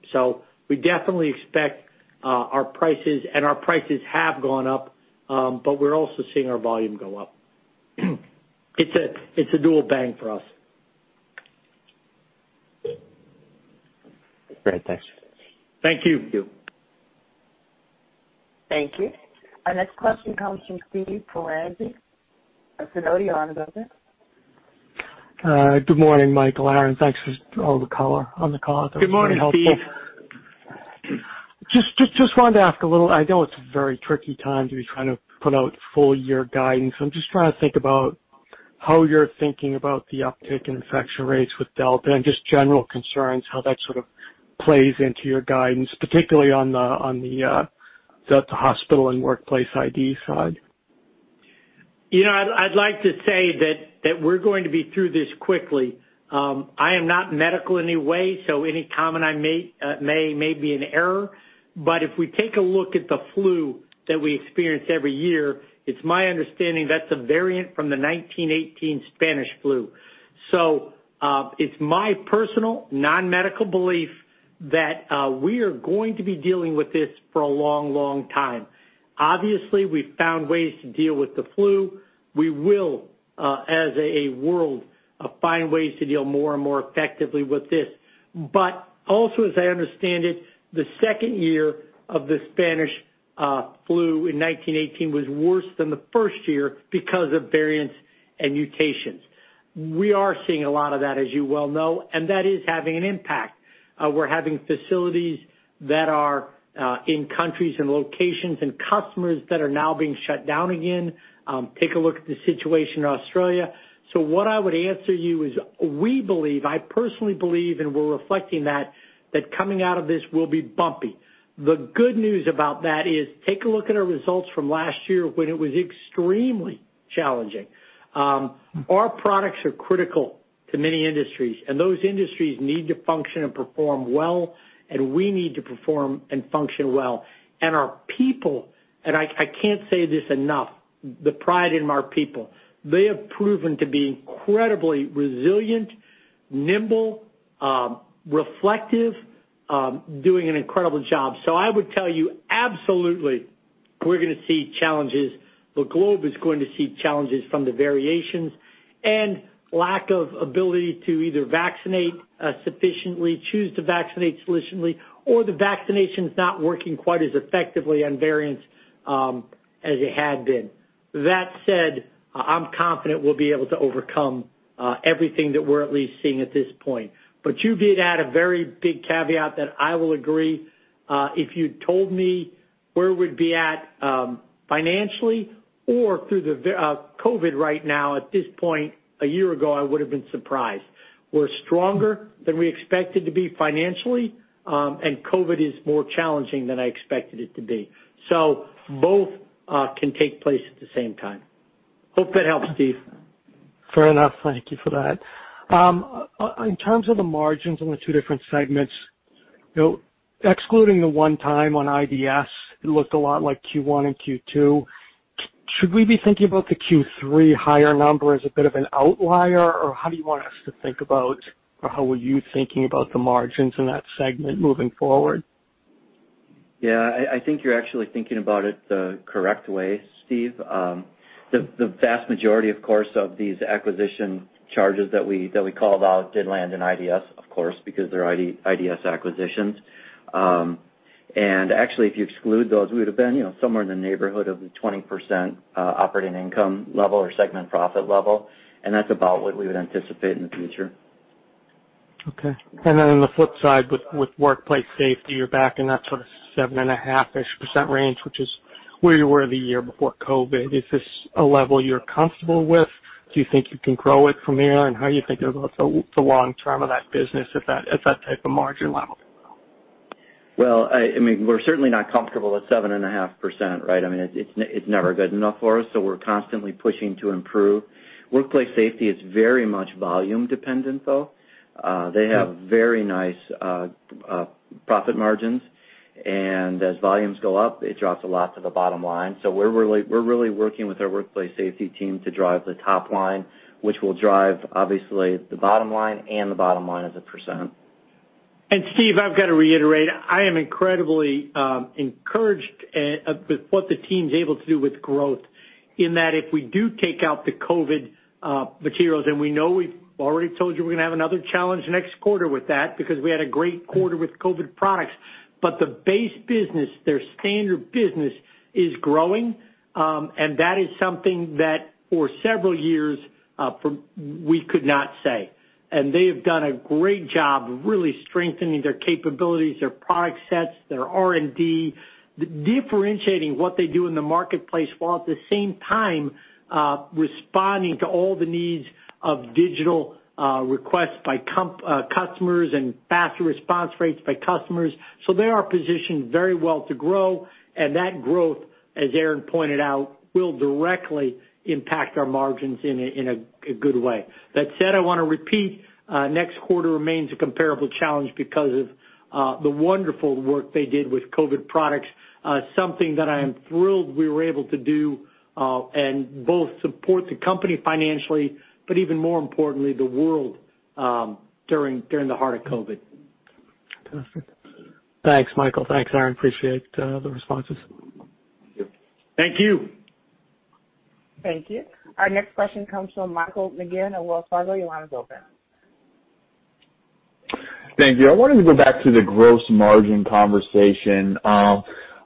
We definitely expect our prices, and our prices have gone up, but we're also seeing our volume go up. It's a dual bang for us. Great. Thanks. Thank you. Thank you. Thank you. Our next question comes from Steve Ferazani of Sidoti & Co. You're on the business. Good morning, Michael, Aaron. Thanks for all the color on the call. It's been helpful. Good morning, Steve. Just wanted to ask a little, I know it's a very tricky time to be trying to put out full year guidance. I'm just trying to think about how you're thinking about the uptick in infection rates with Delta and just general concerns, how that sort of plays into your guidance, particularly on the hospital and workplace ID side. I'd like to say that we're going to be through this quickly. I am not medical in any way, so any comment I make may be in error. If we take a look at the flu that we experience every year, it's my understanding that's a variant from the 1918 Spanish flu. It's my personal non-medical belief that we are going to be dealing with this for a long time. Obviously, we've found ways to deal with the flu. We will, as a world, find ways to deal more and more effectively with this. Also, as I understand it, the second year of the Spanish flu in 1918 was worse than the first year because of variants and mutations. We are seeing a lot of that, as you well know, and that is having an impact. We're having facilities that are in countries and locations and customers that are now being shut down again. Take a look at the situation in Australia. What I would answer you is, we believe, I personally believe, and we're reflecting that coming out of this will be bumpy. The good news about that is, take a look at our results from last year when it was extremely challenging. Our products are critical to many industries, and those industries need to function and perform well, and we need to perform and function well. Our people, and I can't say this enough, the pride in our people. They have proven to be incredibly resilient, nimble, reflective, doing an incredible job. I would tell you, absolutely, we're going to see challenges. The globe is going to see challenges from the variations and lack of ability to either vaccinate sufficiently, choose to vaccinate sufficiently, or the vaccination's not working quite as effectively on variants as it had been. That said, I'm confident we'll be able to overcome everything that we're at least seeing at this point. You did add a very big caveat that I will agree. If you'd told me where we'd be at financially or through the COVID-19 right now at this point a year ago, I would've been surprised. We're stronger than we expected to be financially, and COVID-19 is more challenging than I expected it to be. Both can take place at the same time. Hope that helps, Steve. Fair enough. Thank you for that. In terms of the margins on the 2 different segments, excluding the one time on IDS, it looked a lot like Q1 and Q2. Should we be thinking about the Q3 higher number as a bit of an outlier, or how do you want us to think about, or how are you thinking about the margins in that segment moving forward? Yeah, I think you're actually thinking about it the correct way, Steve. The vast majority, of course, of these acquisition charges that we called out did land in IDS, of course, because they're IDS acquisitions. Actually, if you exclude those, we would've been somewhere in the neighborhood of the 20% operating income level or segment profit level, and that's about what we would anticipate in the future. Okay. On the flip side, with Workplace Safety, you're back in that sort of 7.5%-ish range, which is where you were the year before COVID-19. Is this a level you're comfortable with? Do you think you can grow it from here, and how do you think about the long term of that business at that type of margin level? Well, we're certainly not comfortable at 7.5%, right? It's never good enough for us, so we're constantly pushing to improve. Workplace Safety is very much volume dependent, though. They have very nice profit margins, and as volumes go up, it drops a lot to the bottom line. We're really working with our Workplace Safety team to drive the top line, which will drive, obviously, the bottom line and the bottom line as a %. Steve, I've got to reiterate, I am incredibly encouraged with what the team's able to do with growth in that if we do take out the COVID materials, and we know we've already told you we're going to have another challenge next quarter with that, because we had a great quarter with COVID products. The base business, their standard business, is growing. That is something that for several years, we could not say. They have done a great job of really strengthening their capabilities, their product sets, their R&D, differentiating what they do in the marketplace, while at the same time, responding to all the needs of digital requests by customers and faster response rates by customers. They are positioned very well to grow, and that growth, as Aaron pointed out, will directly impact our margins in a good way. That said, I want to repeat, next quarter remains a comparable challenge because of the wonderful work they did with COVID products. Something that I am thrilled we were able to do, and both support the company financially, but even more importantly, the world during the heart of COVID. Fantastic. Thanks, Michael. Thanks, Aaron. Appreciate the responses. Thank you. Thank you. Thank you. Our next question comes from Michael McGinn at Wells Fargo. Your line is open. Thank you. I wanted to go back to the gross margin conversation.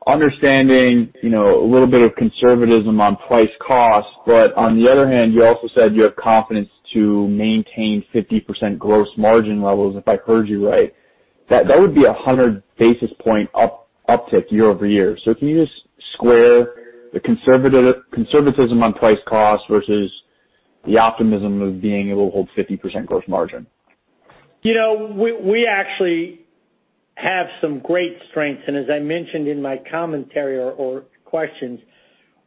Understanding a little bit of conservatism on price cost, but on the other hand, you also said you have confidence to maintain 50% gross margin levels, if I heard you right. That would be 100 basis point uptick year-over-year. Can you just square the conservatism on price cost versus the optimism of being able to hold 50% gross margin? We actually have some great strengths, and as I mentioned in my commentary or questions,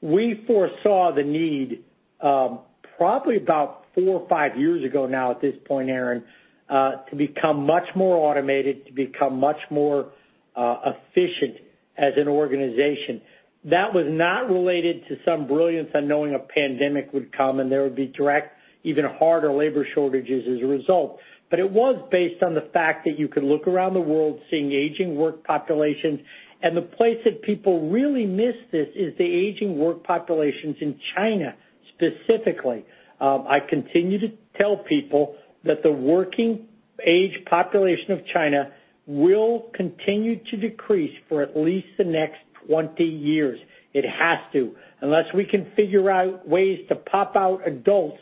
we foresaw the need, probably about four or five years ago now at this point, Aaron, to become much more automated, to become much more efficient as an organization. That was not related to some brilliance on knowing a pandemic would come, and there would be direct, even harder labor shortages as a result. It was based on the fact that you could look around the world seeing aging work populations, and the place that people really miss this is the aging work populations in China, specifically. I continue to tell people that the working-age population of China will continue to decrease for at least the next 20 years. It has to. Unless we can figure out ways to pop out adults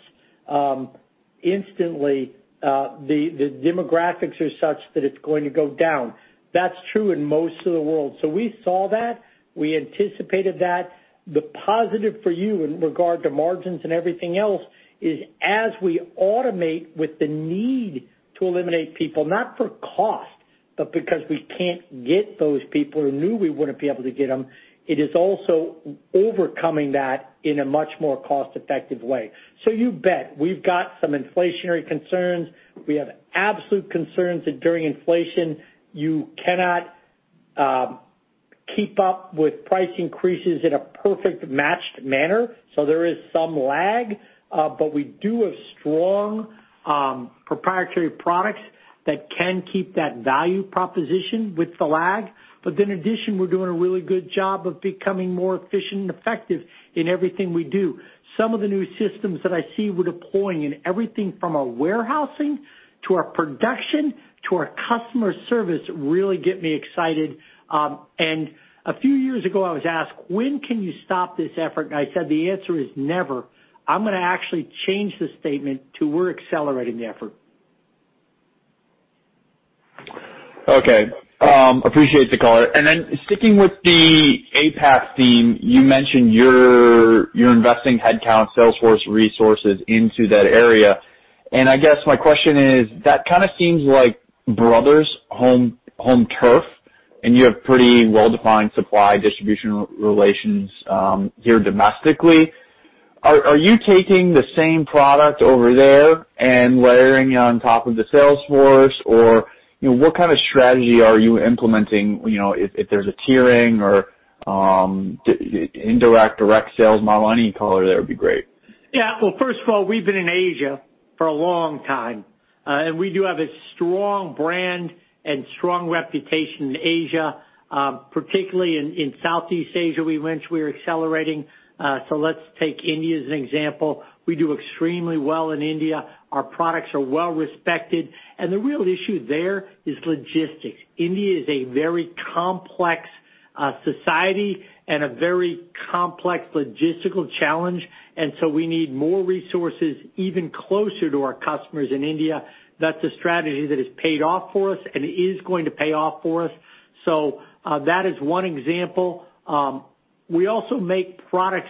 instantly, the demographics are such that it's going to go down. That's true in most of the world. We saw that. We anticipated that. The positive for you in regard to margins and everything else is as we automate with the need to eliminate people, not for cost-But because we can't get those people, or knew we wouldn't be able to get them, it is also overcoming that in a much more cost-effective way. You bet, we've got some inflationary concerns. We have absolute concerns that during inflation, you cannot keep up with price increases in a perfect matched manner. There is some lag. We do have strong proprietary products that can keep that value proposition with the lag. In addition, we're doing a really good job of becoming more efficient and effective in everything we do. Some of the new systems that I see we're deploying in everything from our warehousing, to our production, to our customer service really get me excited. A few years ago, I was asked, "When can you stop this effort?" I said the answer is never. I'm going to actually change the statement to we're accelerating the effort. Appreciate the color. Sticking with the APAC theme, you mentioned you're investing headcount, sales force resources into that area. I guess my question is, that kind of seems like Brady's home turf, and you have pretty well-defined supply distribution relations here domestically. Are you taking the same product over there and layering it on top of the sales force? What kind of strategy are you implementing if there's a tiering or indirect, direct sales model? Any color there would be great. Yeah. Well, first of all, we've been in Asia for a long time. We do have a strong brand and strong reputation in Asia, particularly in Southeast Asia, which we're accelerating. Let's take India as an example. We do extremely well in India. Our products are well-respected. The real issue there is logistics. India is a very complex society and a very complex logistical challenge, we need more resources even closer to our customers in India. That's a strategy that has paid off for us and is going to pay off for us. That is one example. We also make products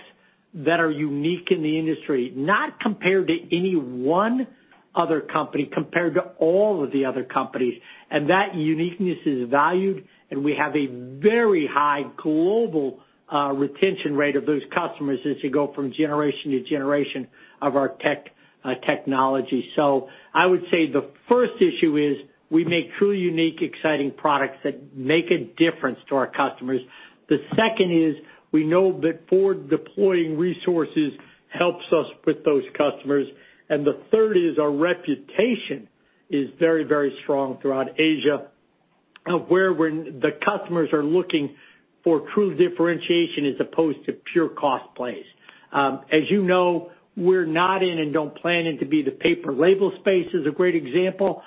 that are unique in the industry, not compared to any one other company, compared to all of the other companies. That uniqueness is valued, and we have a very high global retention rate of those customers as they go from generation to generation of our technology. I would say the first issue is we make truly unique, exciting products that make a difference to our customers. The second is we know that forward deploying resources helps us with those customers. The third is our reputation is very, very strong throughout Asia, where the customers are looking for true differentiation as opposed to pure cost plays. As you know, we're not in and don't plan it to be the paper label space is a great example.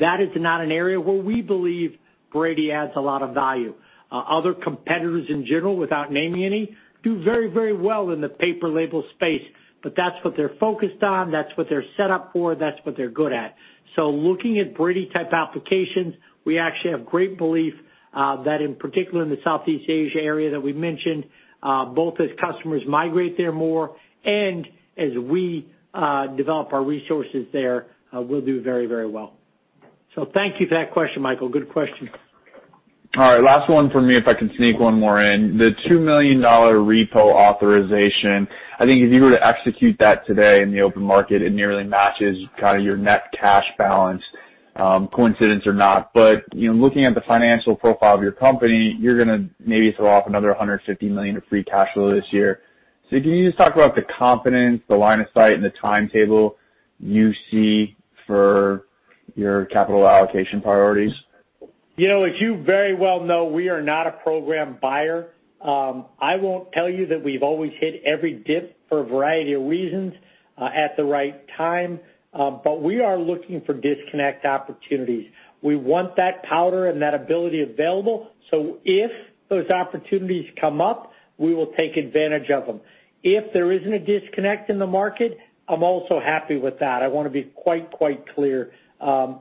That is not an area where we believe Brady adds a lot of value. Other competitors in general, without naming any, do very, very well in the paper label space, but that's what they're focused on, that's what they're set up for, that's what they're good at. Looking at Brady-type applications, we actually have great belief, that in particular in the Southeast Asia area that we mentioned, both as customers migrate there more, and as we develop our resources there, we'll do very, very well. Thank you for that question, Michael. Good question. All right. Last one from me, if I can sneak one more in. The $2 million repo authorization, I think if you were to execute that today in the open market, it nearly matches kind of your net cash balance, coincidence or not. Looking at the financial profile of your company, you're going to maybe throw off another $150 million of free cash flow this year. Can you just talk about the confidence, the line of sight, and the timetable you see for your capital allocation priorities? As you very well know, we are not a program buyer. I won't tell you that we've always hit every dip for a variety of reasons at the right time. We are looking for disconnect opportunities. We want that powder and that ability available, so if those opportunities come up, we will take advantage of them. If there isn't a disconnect in the market, I'm also happy with that. I want to be quite clear.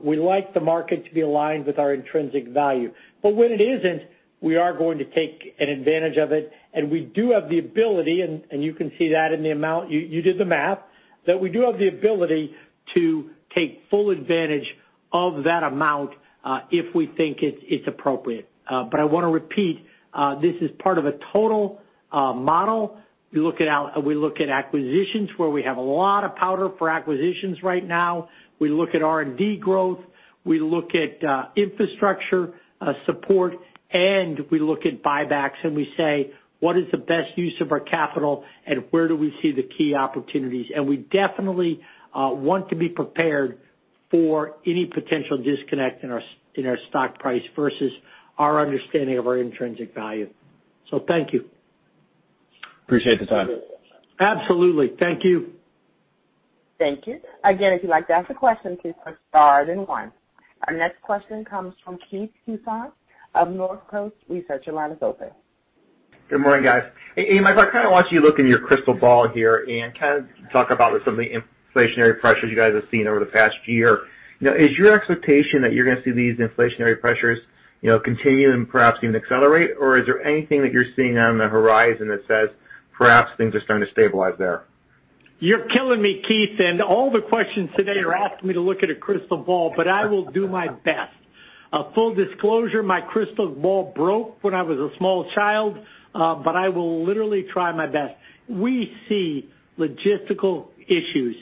We like the market to be aligned with our intrinsic value. When it isn't, we are going to take an advantage of it, and we do have the ability, and you can see that in the amount, you did the math. That we do have the ability to take full advantage of that amount, if we think it's appropriate. I want to repeat, this is part of a total model. We look at acquisitions, where we have a lot of powder for acquisitions right now. We look at R&D growth, we look at infrastructure support, and we look at buybacks, and we say, what is the best use of our capital, and where do we see the key opportunities? We definitely want to be prepared for any potential disconnect in our stock price versus our understanding of our intrinsic value. Thank you. Appreciate the time. Absolutely. Thank you. Thank you. Again, if you'd like to ask a question, please press star then one. Our next question comes from Keith Housum of Northcoast Research. Your line is open. Good morning, guys. Hey, Mike, I kind of want you to look into your crystal ball here and kind of talk about some of the inflationary pressures you guys have seen over the past year. Is your expectation that you're going to see these inflationary pressures continue and perhaps even accelerate? Or is there anything that you're seeing on the horizon that says perhaps things are starting to stabilize there? You're killing me, Keith Housum. All the questions today are asking me to look at a crystal ball. I will do my best. Full disclosure, my crystal ball broke when I was a small child. I will literally try my best. We see logistical issues.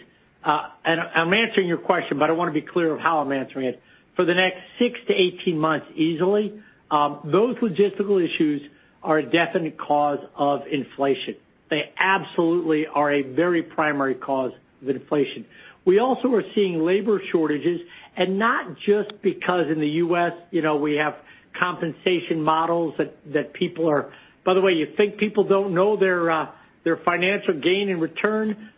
I'm answering your question. I want to be clear of how I'm answering it. For the next 6-18 months easily, those logistical issues are a definite cause of inflation. They absolutely are a very primary cause of inflation. We also are seeing labor shortages. Not just because in the U.S., we have compensation models that people are By the way, you think people don't know their financial gain and return?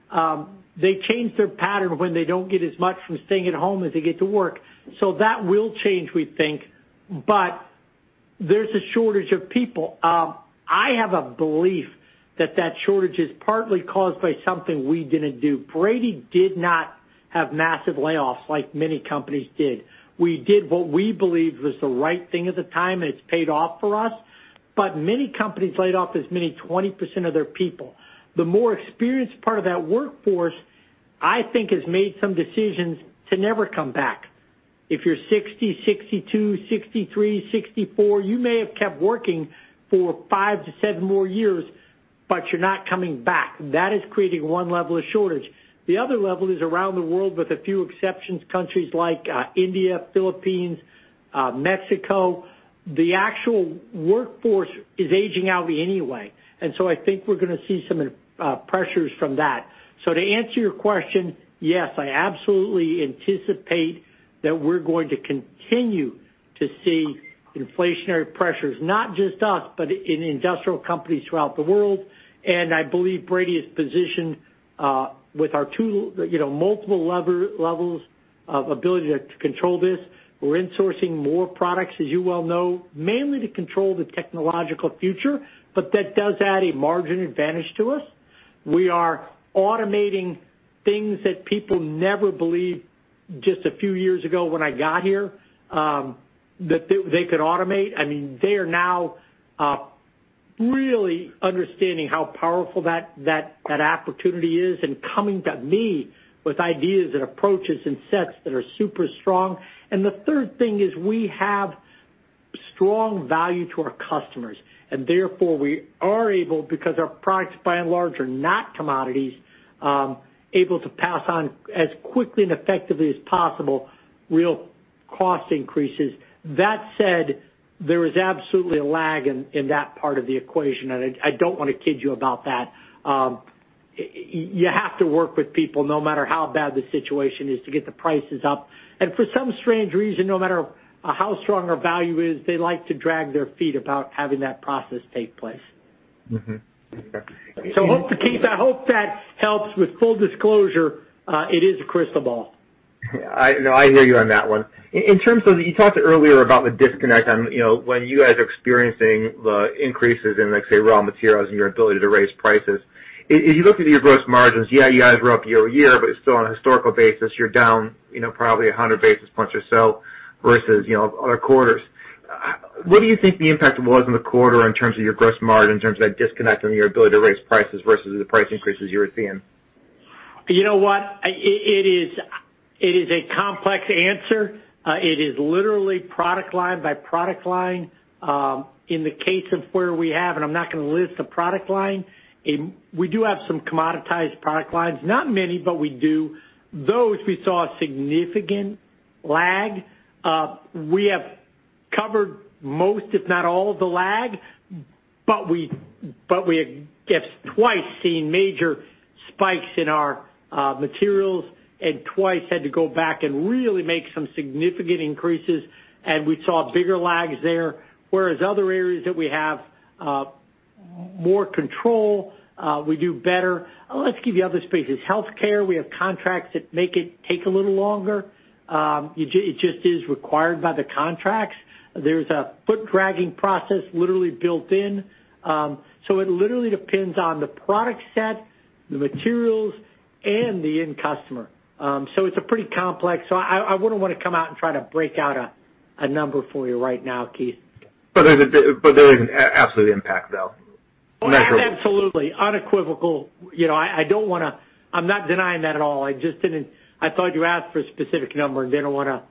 They change their pattern when they don't get as much from staying at home as they get to work. That will change, we think, but there's a shortage of people. I have a belief that shortage is partly caused by something we didn't do. Brady did not have massive layoffs like many companies did. We did what we believed was the right thing at the time, and it's paid off for us. Many companies laid off as many as 20% of their people. The more experienced part of that workforce, I think, has made some decisions to never come back. If you're 60, 62, 63, 64, you may have kept working for five to seven more years, but you're not coming back. That is creating 1 level of shortage. The other level is around the world, with a few exceptions, countries like India, Philippines, Mexico. The actual workforce is aging out anyway. I think we're going to see some pressures from that. To answer your question, yes, I absolutely anticipate that we're going to continue to see inflationary pressures, not just us, but in industrial companies throughout the world. I believe Brady is positioned with our multiple levels of ability to control this. We're insourcing more products, as you well know, mainly to control the technological future, but that does add a margin advantage to us. We are automating things that people never believed just a few years ago when I got here that they could automate. They are now really understanding how powerful that opportunity is and coming to me with ideas and approaches and sets that are super strong. The third thing is we have strong value to our customers, and therefore we are able, because our products by and large are not commodities, able to pass on as quickly and effectively as possible real cost increases. That said, there is absolutely a lag in that part of the equation, and I don't want to kid you about that. You have to work with people no matter how bad the situation is to get the prices up. For some strange reason, no matter how strong our value is, they like to drag their feet about having that process take place. Mm-hmm. Okay. Keith, I hope that helps. With full disclosure, it is a crystal ball. No, I hear you on that one. You talked earlier about the disconnect on when you guys are experiencing the increases in, let's say, raw materials and your ability to raise prices. If you look at your gross margins, yeah, you guys are up year-over-year, but still on a historical basis, you're down probably 100 basis points or so versus other quarters. What do you think the impact was on the quarter in terms of your gross margin, in terms of that disconnect and your ability to raise prices versus the price increases you were seeing? You know what? It is a complex answer. It is literally product line by product line. In the case of where we have, I'm not going to list the product line, we do have some commoditized product lines. Not many, we do. Those, we saw a significant lag. We have covered most, if not all of the lag, we have twice seen major spikes in our materials and twice had to go back and really make some significant increases, and we saw bigger lags there. Whereas other areas that we have more control, we do better. Let's give you other spaces. Healthcare, we have contracts that make it take a little longer. It just is required by the contracts. There's a foot-dragging process literally built in. It literally depends on the product set, the materials, and the end customer. It's pretty complex. I wouldn't want to come out and try to break out a number for you right now, Keith. There is absolutely impact, though. Absolutely. Unequivocal. I'm not denying that at all. I thought you asked for a specific number, and didn't want to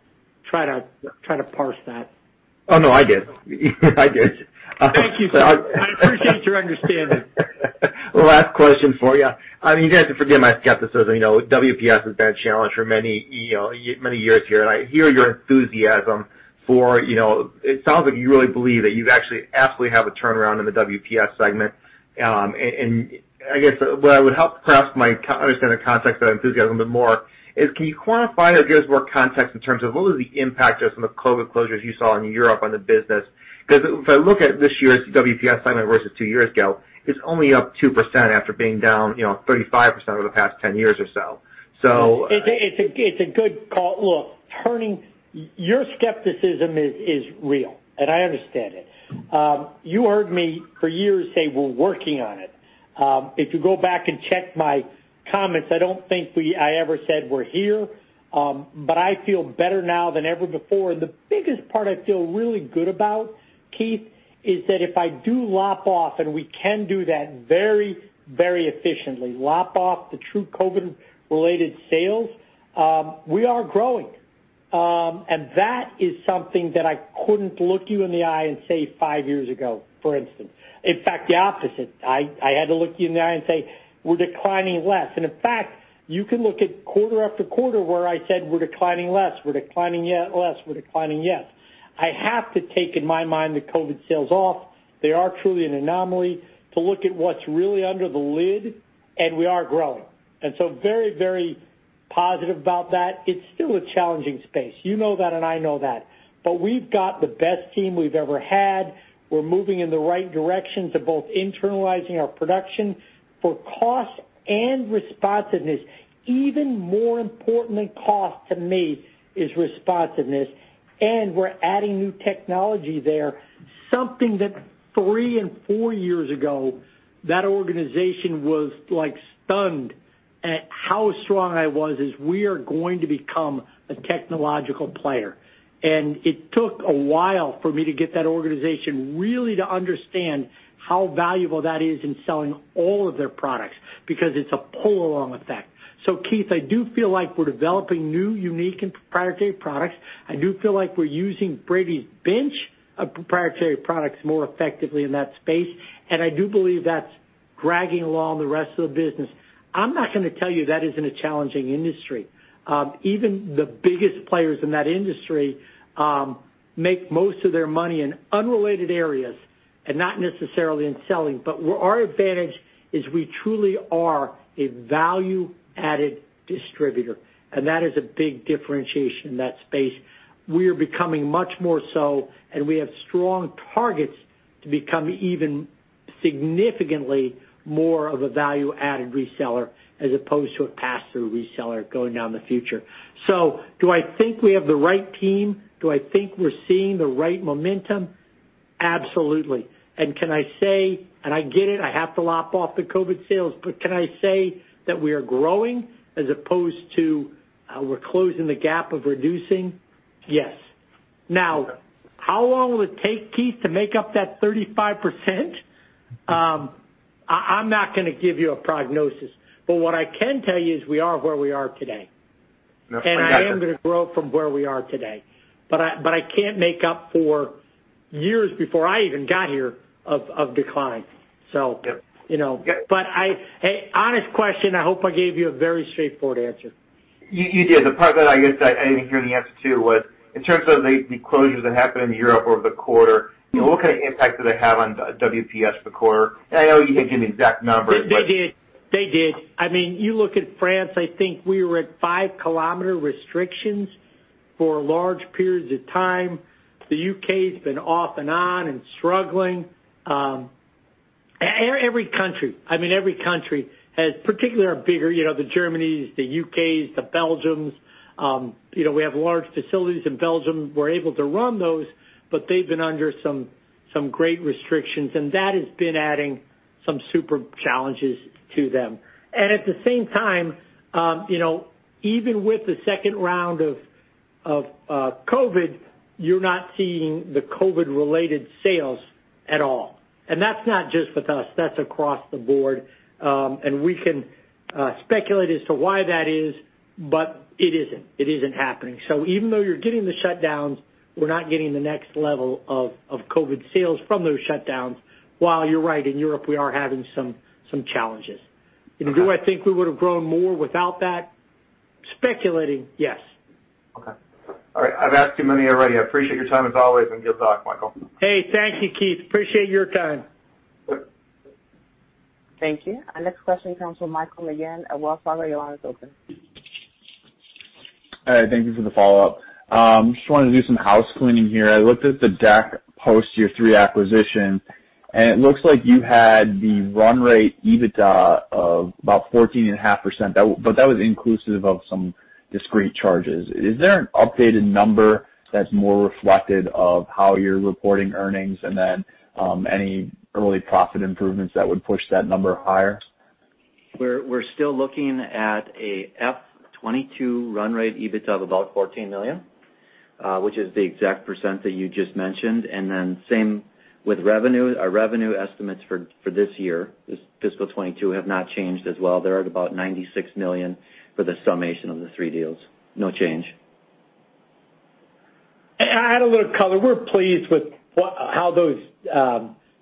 try to parse that. Oh, no, I did. I did. Thank you. I appreciate your understanding. Last question for you. You're going to have to forgive my skepticism. WPS has been a challenge for many years here, and I hear your enthusiasm for it. It sounds like you really believe that you actually have a turnaround in the WPS segment. I guess what would help perhaps my understanding the context of that enthusiasm a bit more is, can you quantify or give us more context in terms of what was the impact of some of the COVID closures you saw in Europe on the business? Because if I look at this year's WPS segment versus two years ago, it's only up 2% after being down 35% over the past 10 years or so. It's a good call. Look, your skepticism is real, and I understand it. You heard me for years say we're working on it. If you go back and check my comments, I don't think I ever said we're here. I feel better now than ever before. The biggest part I feel really good about, Keith, is that if I do lop off, and we can do that very efficiently, lop off the true COVID-related sales, we are growing. That is something that I couldn't look you in the eye and say five years ago, for instance. In fact, the opposite. I had to look you in the eye and say, "We're declining less." In fact, you can look at quarter after quarter where I said, "We're declining less. We're declining yet less. We're declining yet." I have to take in my mind the COVID sales off, they are truly an anomaly, to look at what's really under the lid, and we are growing. Very, very positive about that. It's still a challenging space. You know that, and I know that. We've got the best team we've ever had. We're moving in the right direction to both internalizing our production for cost and responsiveness. Even more important than cost to me is responsiveness. We're adding new technology there. Something that three and four years ago, that organization was stunned at how strong I was, is we are going to become a technological player. It took a while for me to get that organization really to understand how valuable that is in selling all of their products, because it's a pull-along effect. Keith, I do feel like we're developing new, unique, and proprietary products. I do feel like we're using Brady's bench of proprietary products more effectively in that space, and I do believe that's dragging along the rest of the business. I'm not going to tell you that isn't a challenging industry. Even the biggest players in that industry make most of their money in unrelated areas and not necessarily in selling. Where our advantage is we truly are a value-added distributor, and that is a big differentiation in that space. We are becoming much more so, and we have strong targets to become even significantly more of a value-added reseller as opposed to a pass-through reseller going down the future. Do I think we have the right team? Do I think we're seeing the right momentum? Absolutely. can I say, and I get it, I have to lop off the COVID sales, but can I say that we are growing as opposed to we're closing the gap of reducing? Yes. Now, how long will it take, Keith, to make up that 35%? I'm not going to give you a prognosis, but what I can tell you is we are where we are today. No, I got it. I am going to grow from where we are today. I can't make up for years before I even got here of decline. Yep. hey, honest question, I hope I gave you a very straightforward answer. You did. The part that I guess I didn't hear in the answer, too, was in terms of the closures that happened in Europe over the quarter, what kind of impact did it have on WPS for the quarter? I know you can't give me exact numbers, but- They did. They did. You look at France, I think we were at 5-kilometer restrictions for large periods of time. The U.K.'s been off and on and struggling. Every country, particularly our bigger, the Germanys, the U.K.s, the Belgiums. We have large facilities in Belgium. We're able to run those, but they've been under some great restrictions, and that has been adding some super challenges to them. At the same time, even with the second round of COVID, you're not seeing the COVID-related sales at all. That's not just with us, that's across the board. We can speculate as to why that is, but it isn't. It isn't happening. Even though you're getting the shutdowns, we're not getting the next level of COVID sales from those shutdowns, while you're right, in Europe, we are having some challenges. Okay. Do I think we would've grown more without that? Speculating, yes. Okay. All right. I've asked too many already. I appreciate your time, as always, and good talk, Michael. Hey, thank you, Keith. Appreciate your time. Yep. Thank you. Our next question comes from Michael McGinn at Wells Fargo. Your line is open. Hi, thank you for the follow-up. Just wanted to do some house cleaning here. I looked at the deck post your three acquisition, and it looks like you had the run rate EBITDA of about 14.5%, but that was inclusive of some discrete charges. Is there an updated number that's more reflective of how you're reporting earnings and then any early profit improvements that would push that number higher? We're still looking at a F22 run rate EBITDA of about $14 million, which is the exact percent that you just mentioned. same with revenue. Our revenue estimates for this year, this fiscal '22, have not changed as well. They're at about $96 million for the summation of the three deals. No change. Add a little color. We're pleased with how those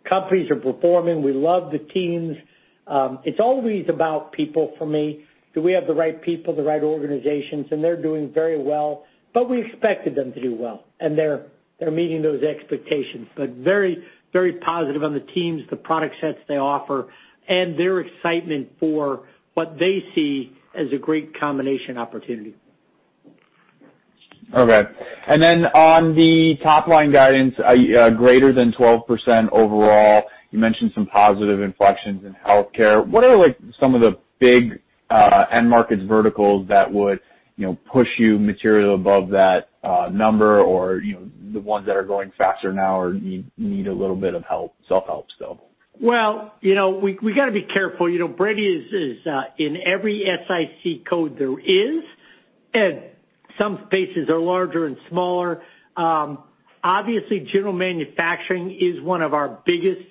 companies are performing. We love the teams. It's always about people for me. Do we have the right people, the right organizations? They're doing very well, but we expected them to do well. They're meeting those expectations. Very positive on the teams, the product sets they offer, and their excitement for what they see as a great combination opportunity. All right. On the top-line guidance, greater than 12% overall, you mentioned some positive inflections in healthcare. What are some of the big end markets verticals that would push you materially above that number, or the ones that are growing faster now or need a little bit of self-help still? Well, we got to be careful. Brady is in every SIC code there is, and some spaces are larger and smaller. Obviously, general manufacturing is one of our biggest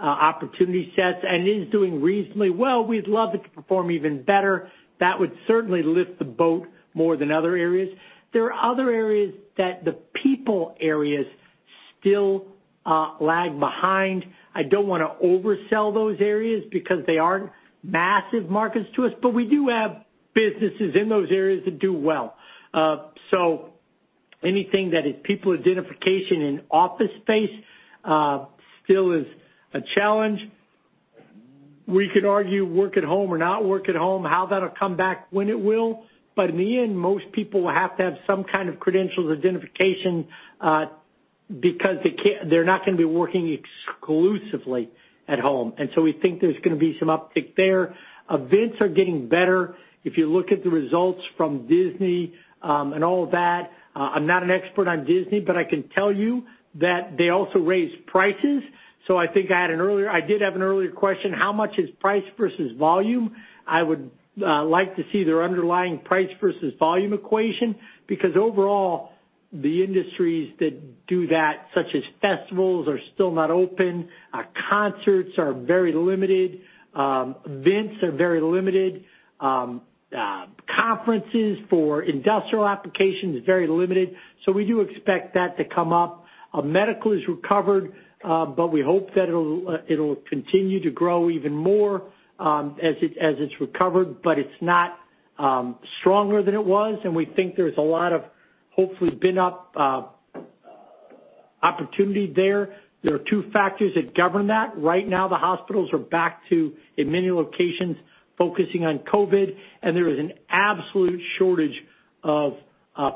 opportunity sets and is doing reasonably well. We'd love it to perform even better. That would certainly lift the boat more than other areas. There are other areas that the people areas still lag behind. I don't want to oversell those areas because they aren't massive markets to us, but we do have businesses in those areas that do well. Anything that is people identification in office space, still is a challenge. We could argue work at home or not work at home, how that'll come back, when it will, but in the end, most people will have to have some kind of credentials identification, because they're not going to be working exclusively at home. We think there's going to be some uptick there. Events are getting better. If you look at the results from Disney, and all of that, I'm not an expert on Disney, but I can tell you that they also raised prices. I think I did have an earlier question, how much is price versus volume? I would like to see their underlying price versus volume equation because overall, the industries that do that, such as festivals, are still not open. Concerts are very limited. Events are very limited. Conferences for industrial application is very limited. We do expect that to come up. Medical is recovered, but we hope that it'll continue to grow even more, as it's recovered, but it's not stronger than it was, and we think there's a lot of hopefully been up opportunity there. There are two factors that govern that. Right now the hospitals are back to, in many locations, focusing on COVID, and there is an absolute shortage of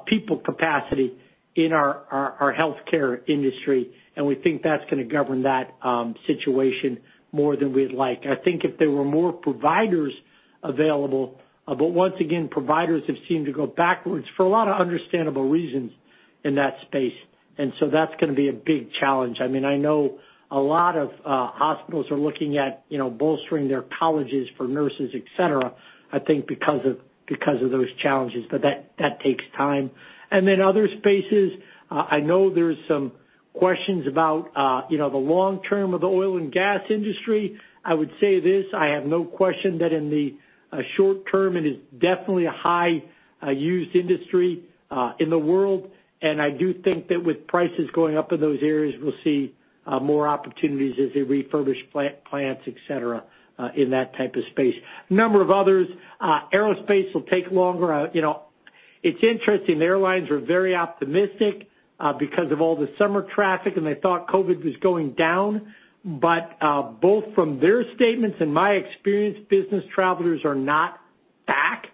people capacity in our healthcare industry, and we think that's going to govern that situation more than we'd like. I think if there were more providers available once again, providers have seemed to go backwards for a lot of understandable reasons in that space. that's going to be a big challenge. I know a lot of hospitals are looking at bolstering their colleges for nurses, et cetera, I think because of those challenges, but that takes time. other spaces, I know there's some questions about the long-term of the oil and gas industry. I would say this, I have no question that in the short-term, it is definitely a high-use industry in the world. I do think that with prices going up in those areas, we'll see more opportunities as they refurbish plants, et cetera, in that type of space. A number of others. Aerospace will take longer. It's interesting, the airlines were very optimistic because of all the summer traffic, and they thought COVID was going down. Both from their statements and my experience, business travelers are not back.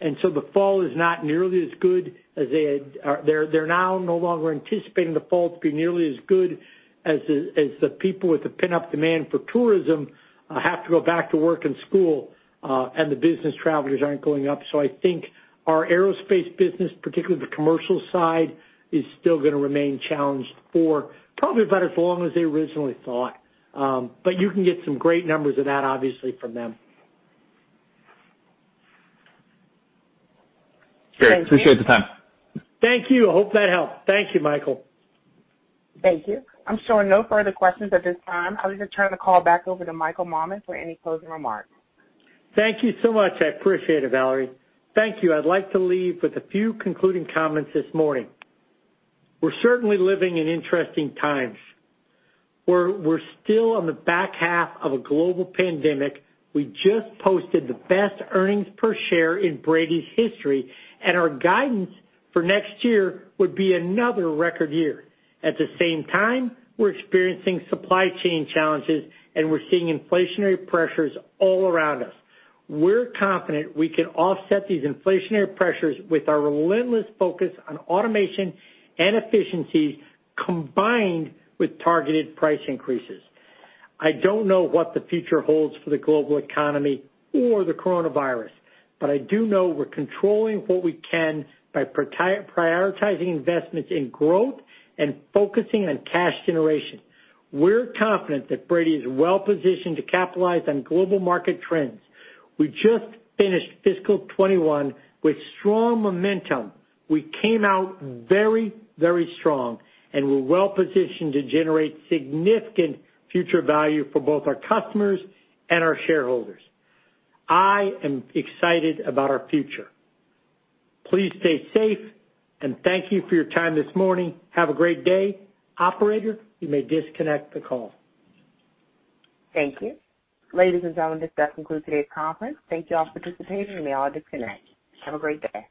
The fall is not nearly as good. They're now no longer anticipating the fall to be nearly as good as the people with the pent-up demand for tourism have to go back to work and school, and the business travelers aren't going up. I think our aerospace business, particularly the commercial side, is still going to remain challenged for probably about as long as they originally thought. You can get some great numbers of that obviously from them. Great. Appreciate the time. Thank you. Hope that helped. Thank you, Michael. Thank you. I'm showing no further questions at this time. I'll return the call back over to Michael Nauman for any closing remarks. Thank you so much. I appreciate it, Valerie. Thank you. I'd like to leave with a few concluding comments this morning. We're certainly living in interesting times. We're still on the back half of a global pandemic. We just posted the best earnings per share in Brady's history, and our guidance for next year would be another record year. At the same time, we're experiencing supply chain challenges, and we're seeing inflationary pressures all around us. We're confident we can offset these inflationary pressures with our relentless focus on automation and efficiencies combined with targeted price increases. I don't know what the future holds for the global economy or the coronavirus, but I do know we're controlling what we can by prioritizing investments in growth and focusing on cash generation. We're confident that Brady is well-positioned to capitalize on global market trends. We just finished fiscal 2021 with strong momentum. We came out very, very strong, and we're well-positioned to generate significant future value for both our customers and our shareholders. I am excited about our future. Please stay safe, and thank you for your time this morning. Have a great day. Operator, you may disconnect the call. Thank you. Ladies and gentlemen, this does conclude today's conference. Thank you all for participating. You may all disconnect. Have a great day.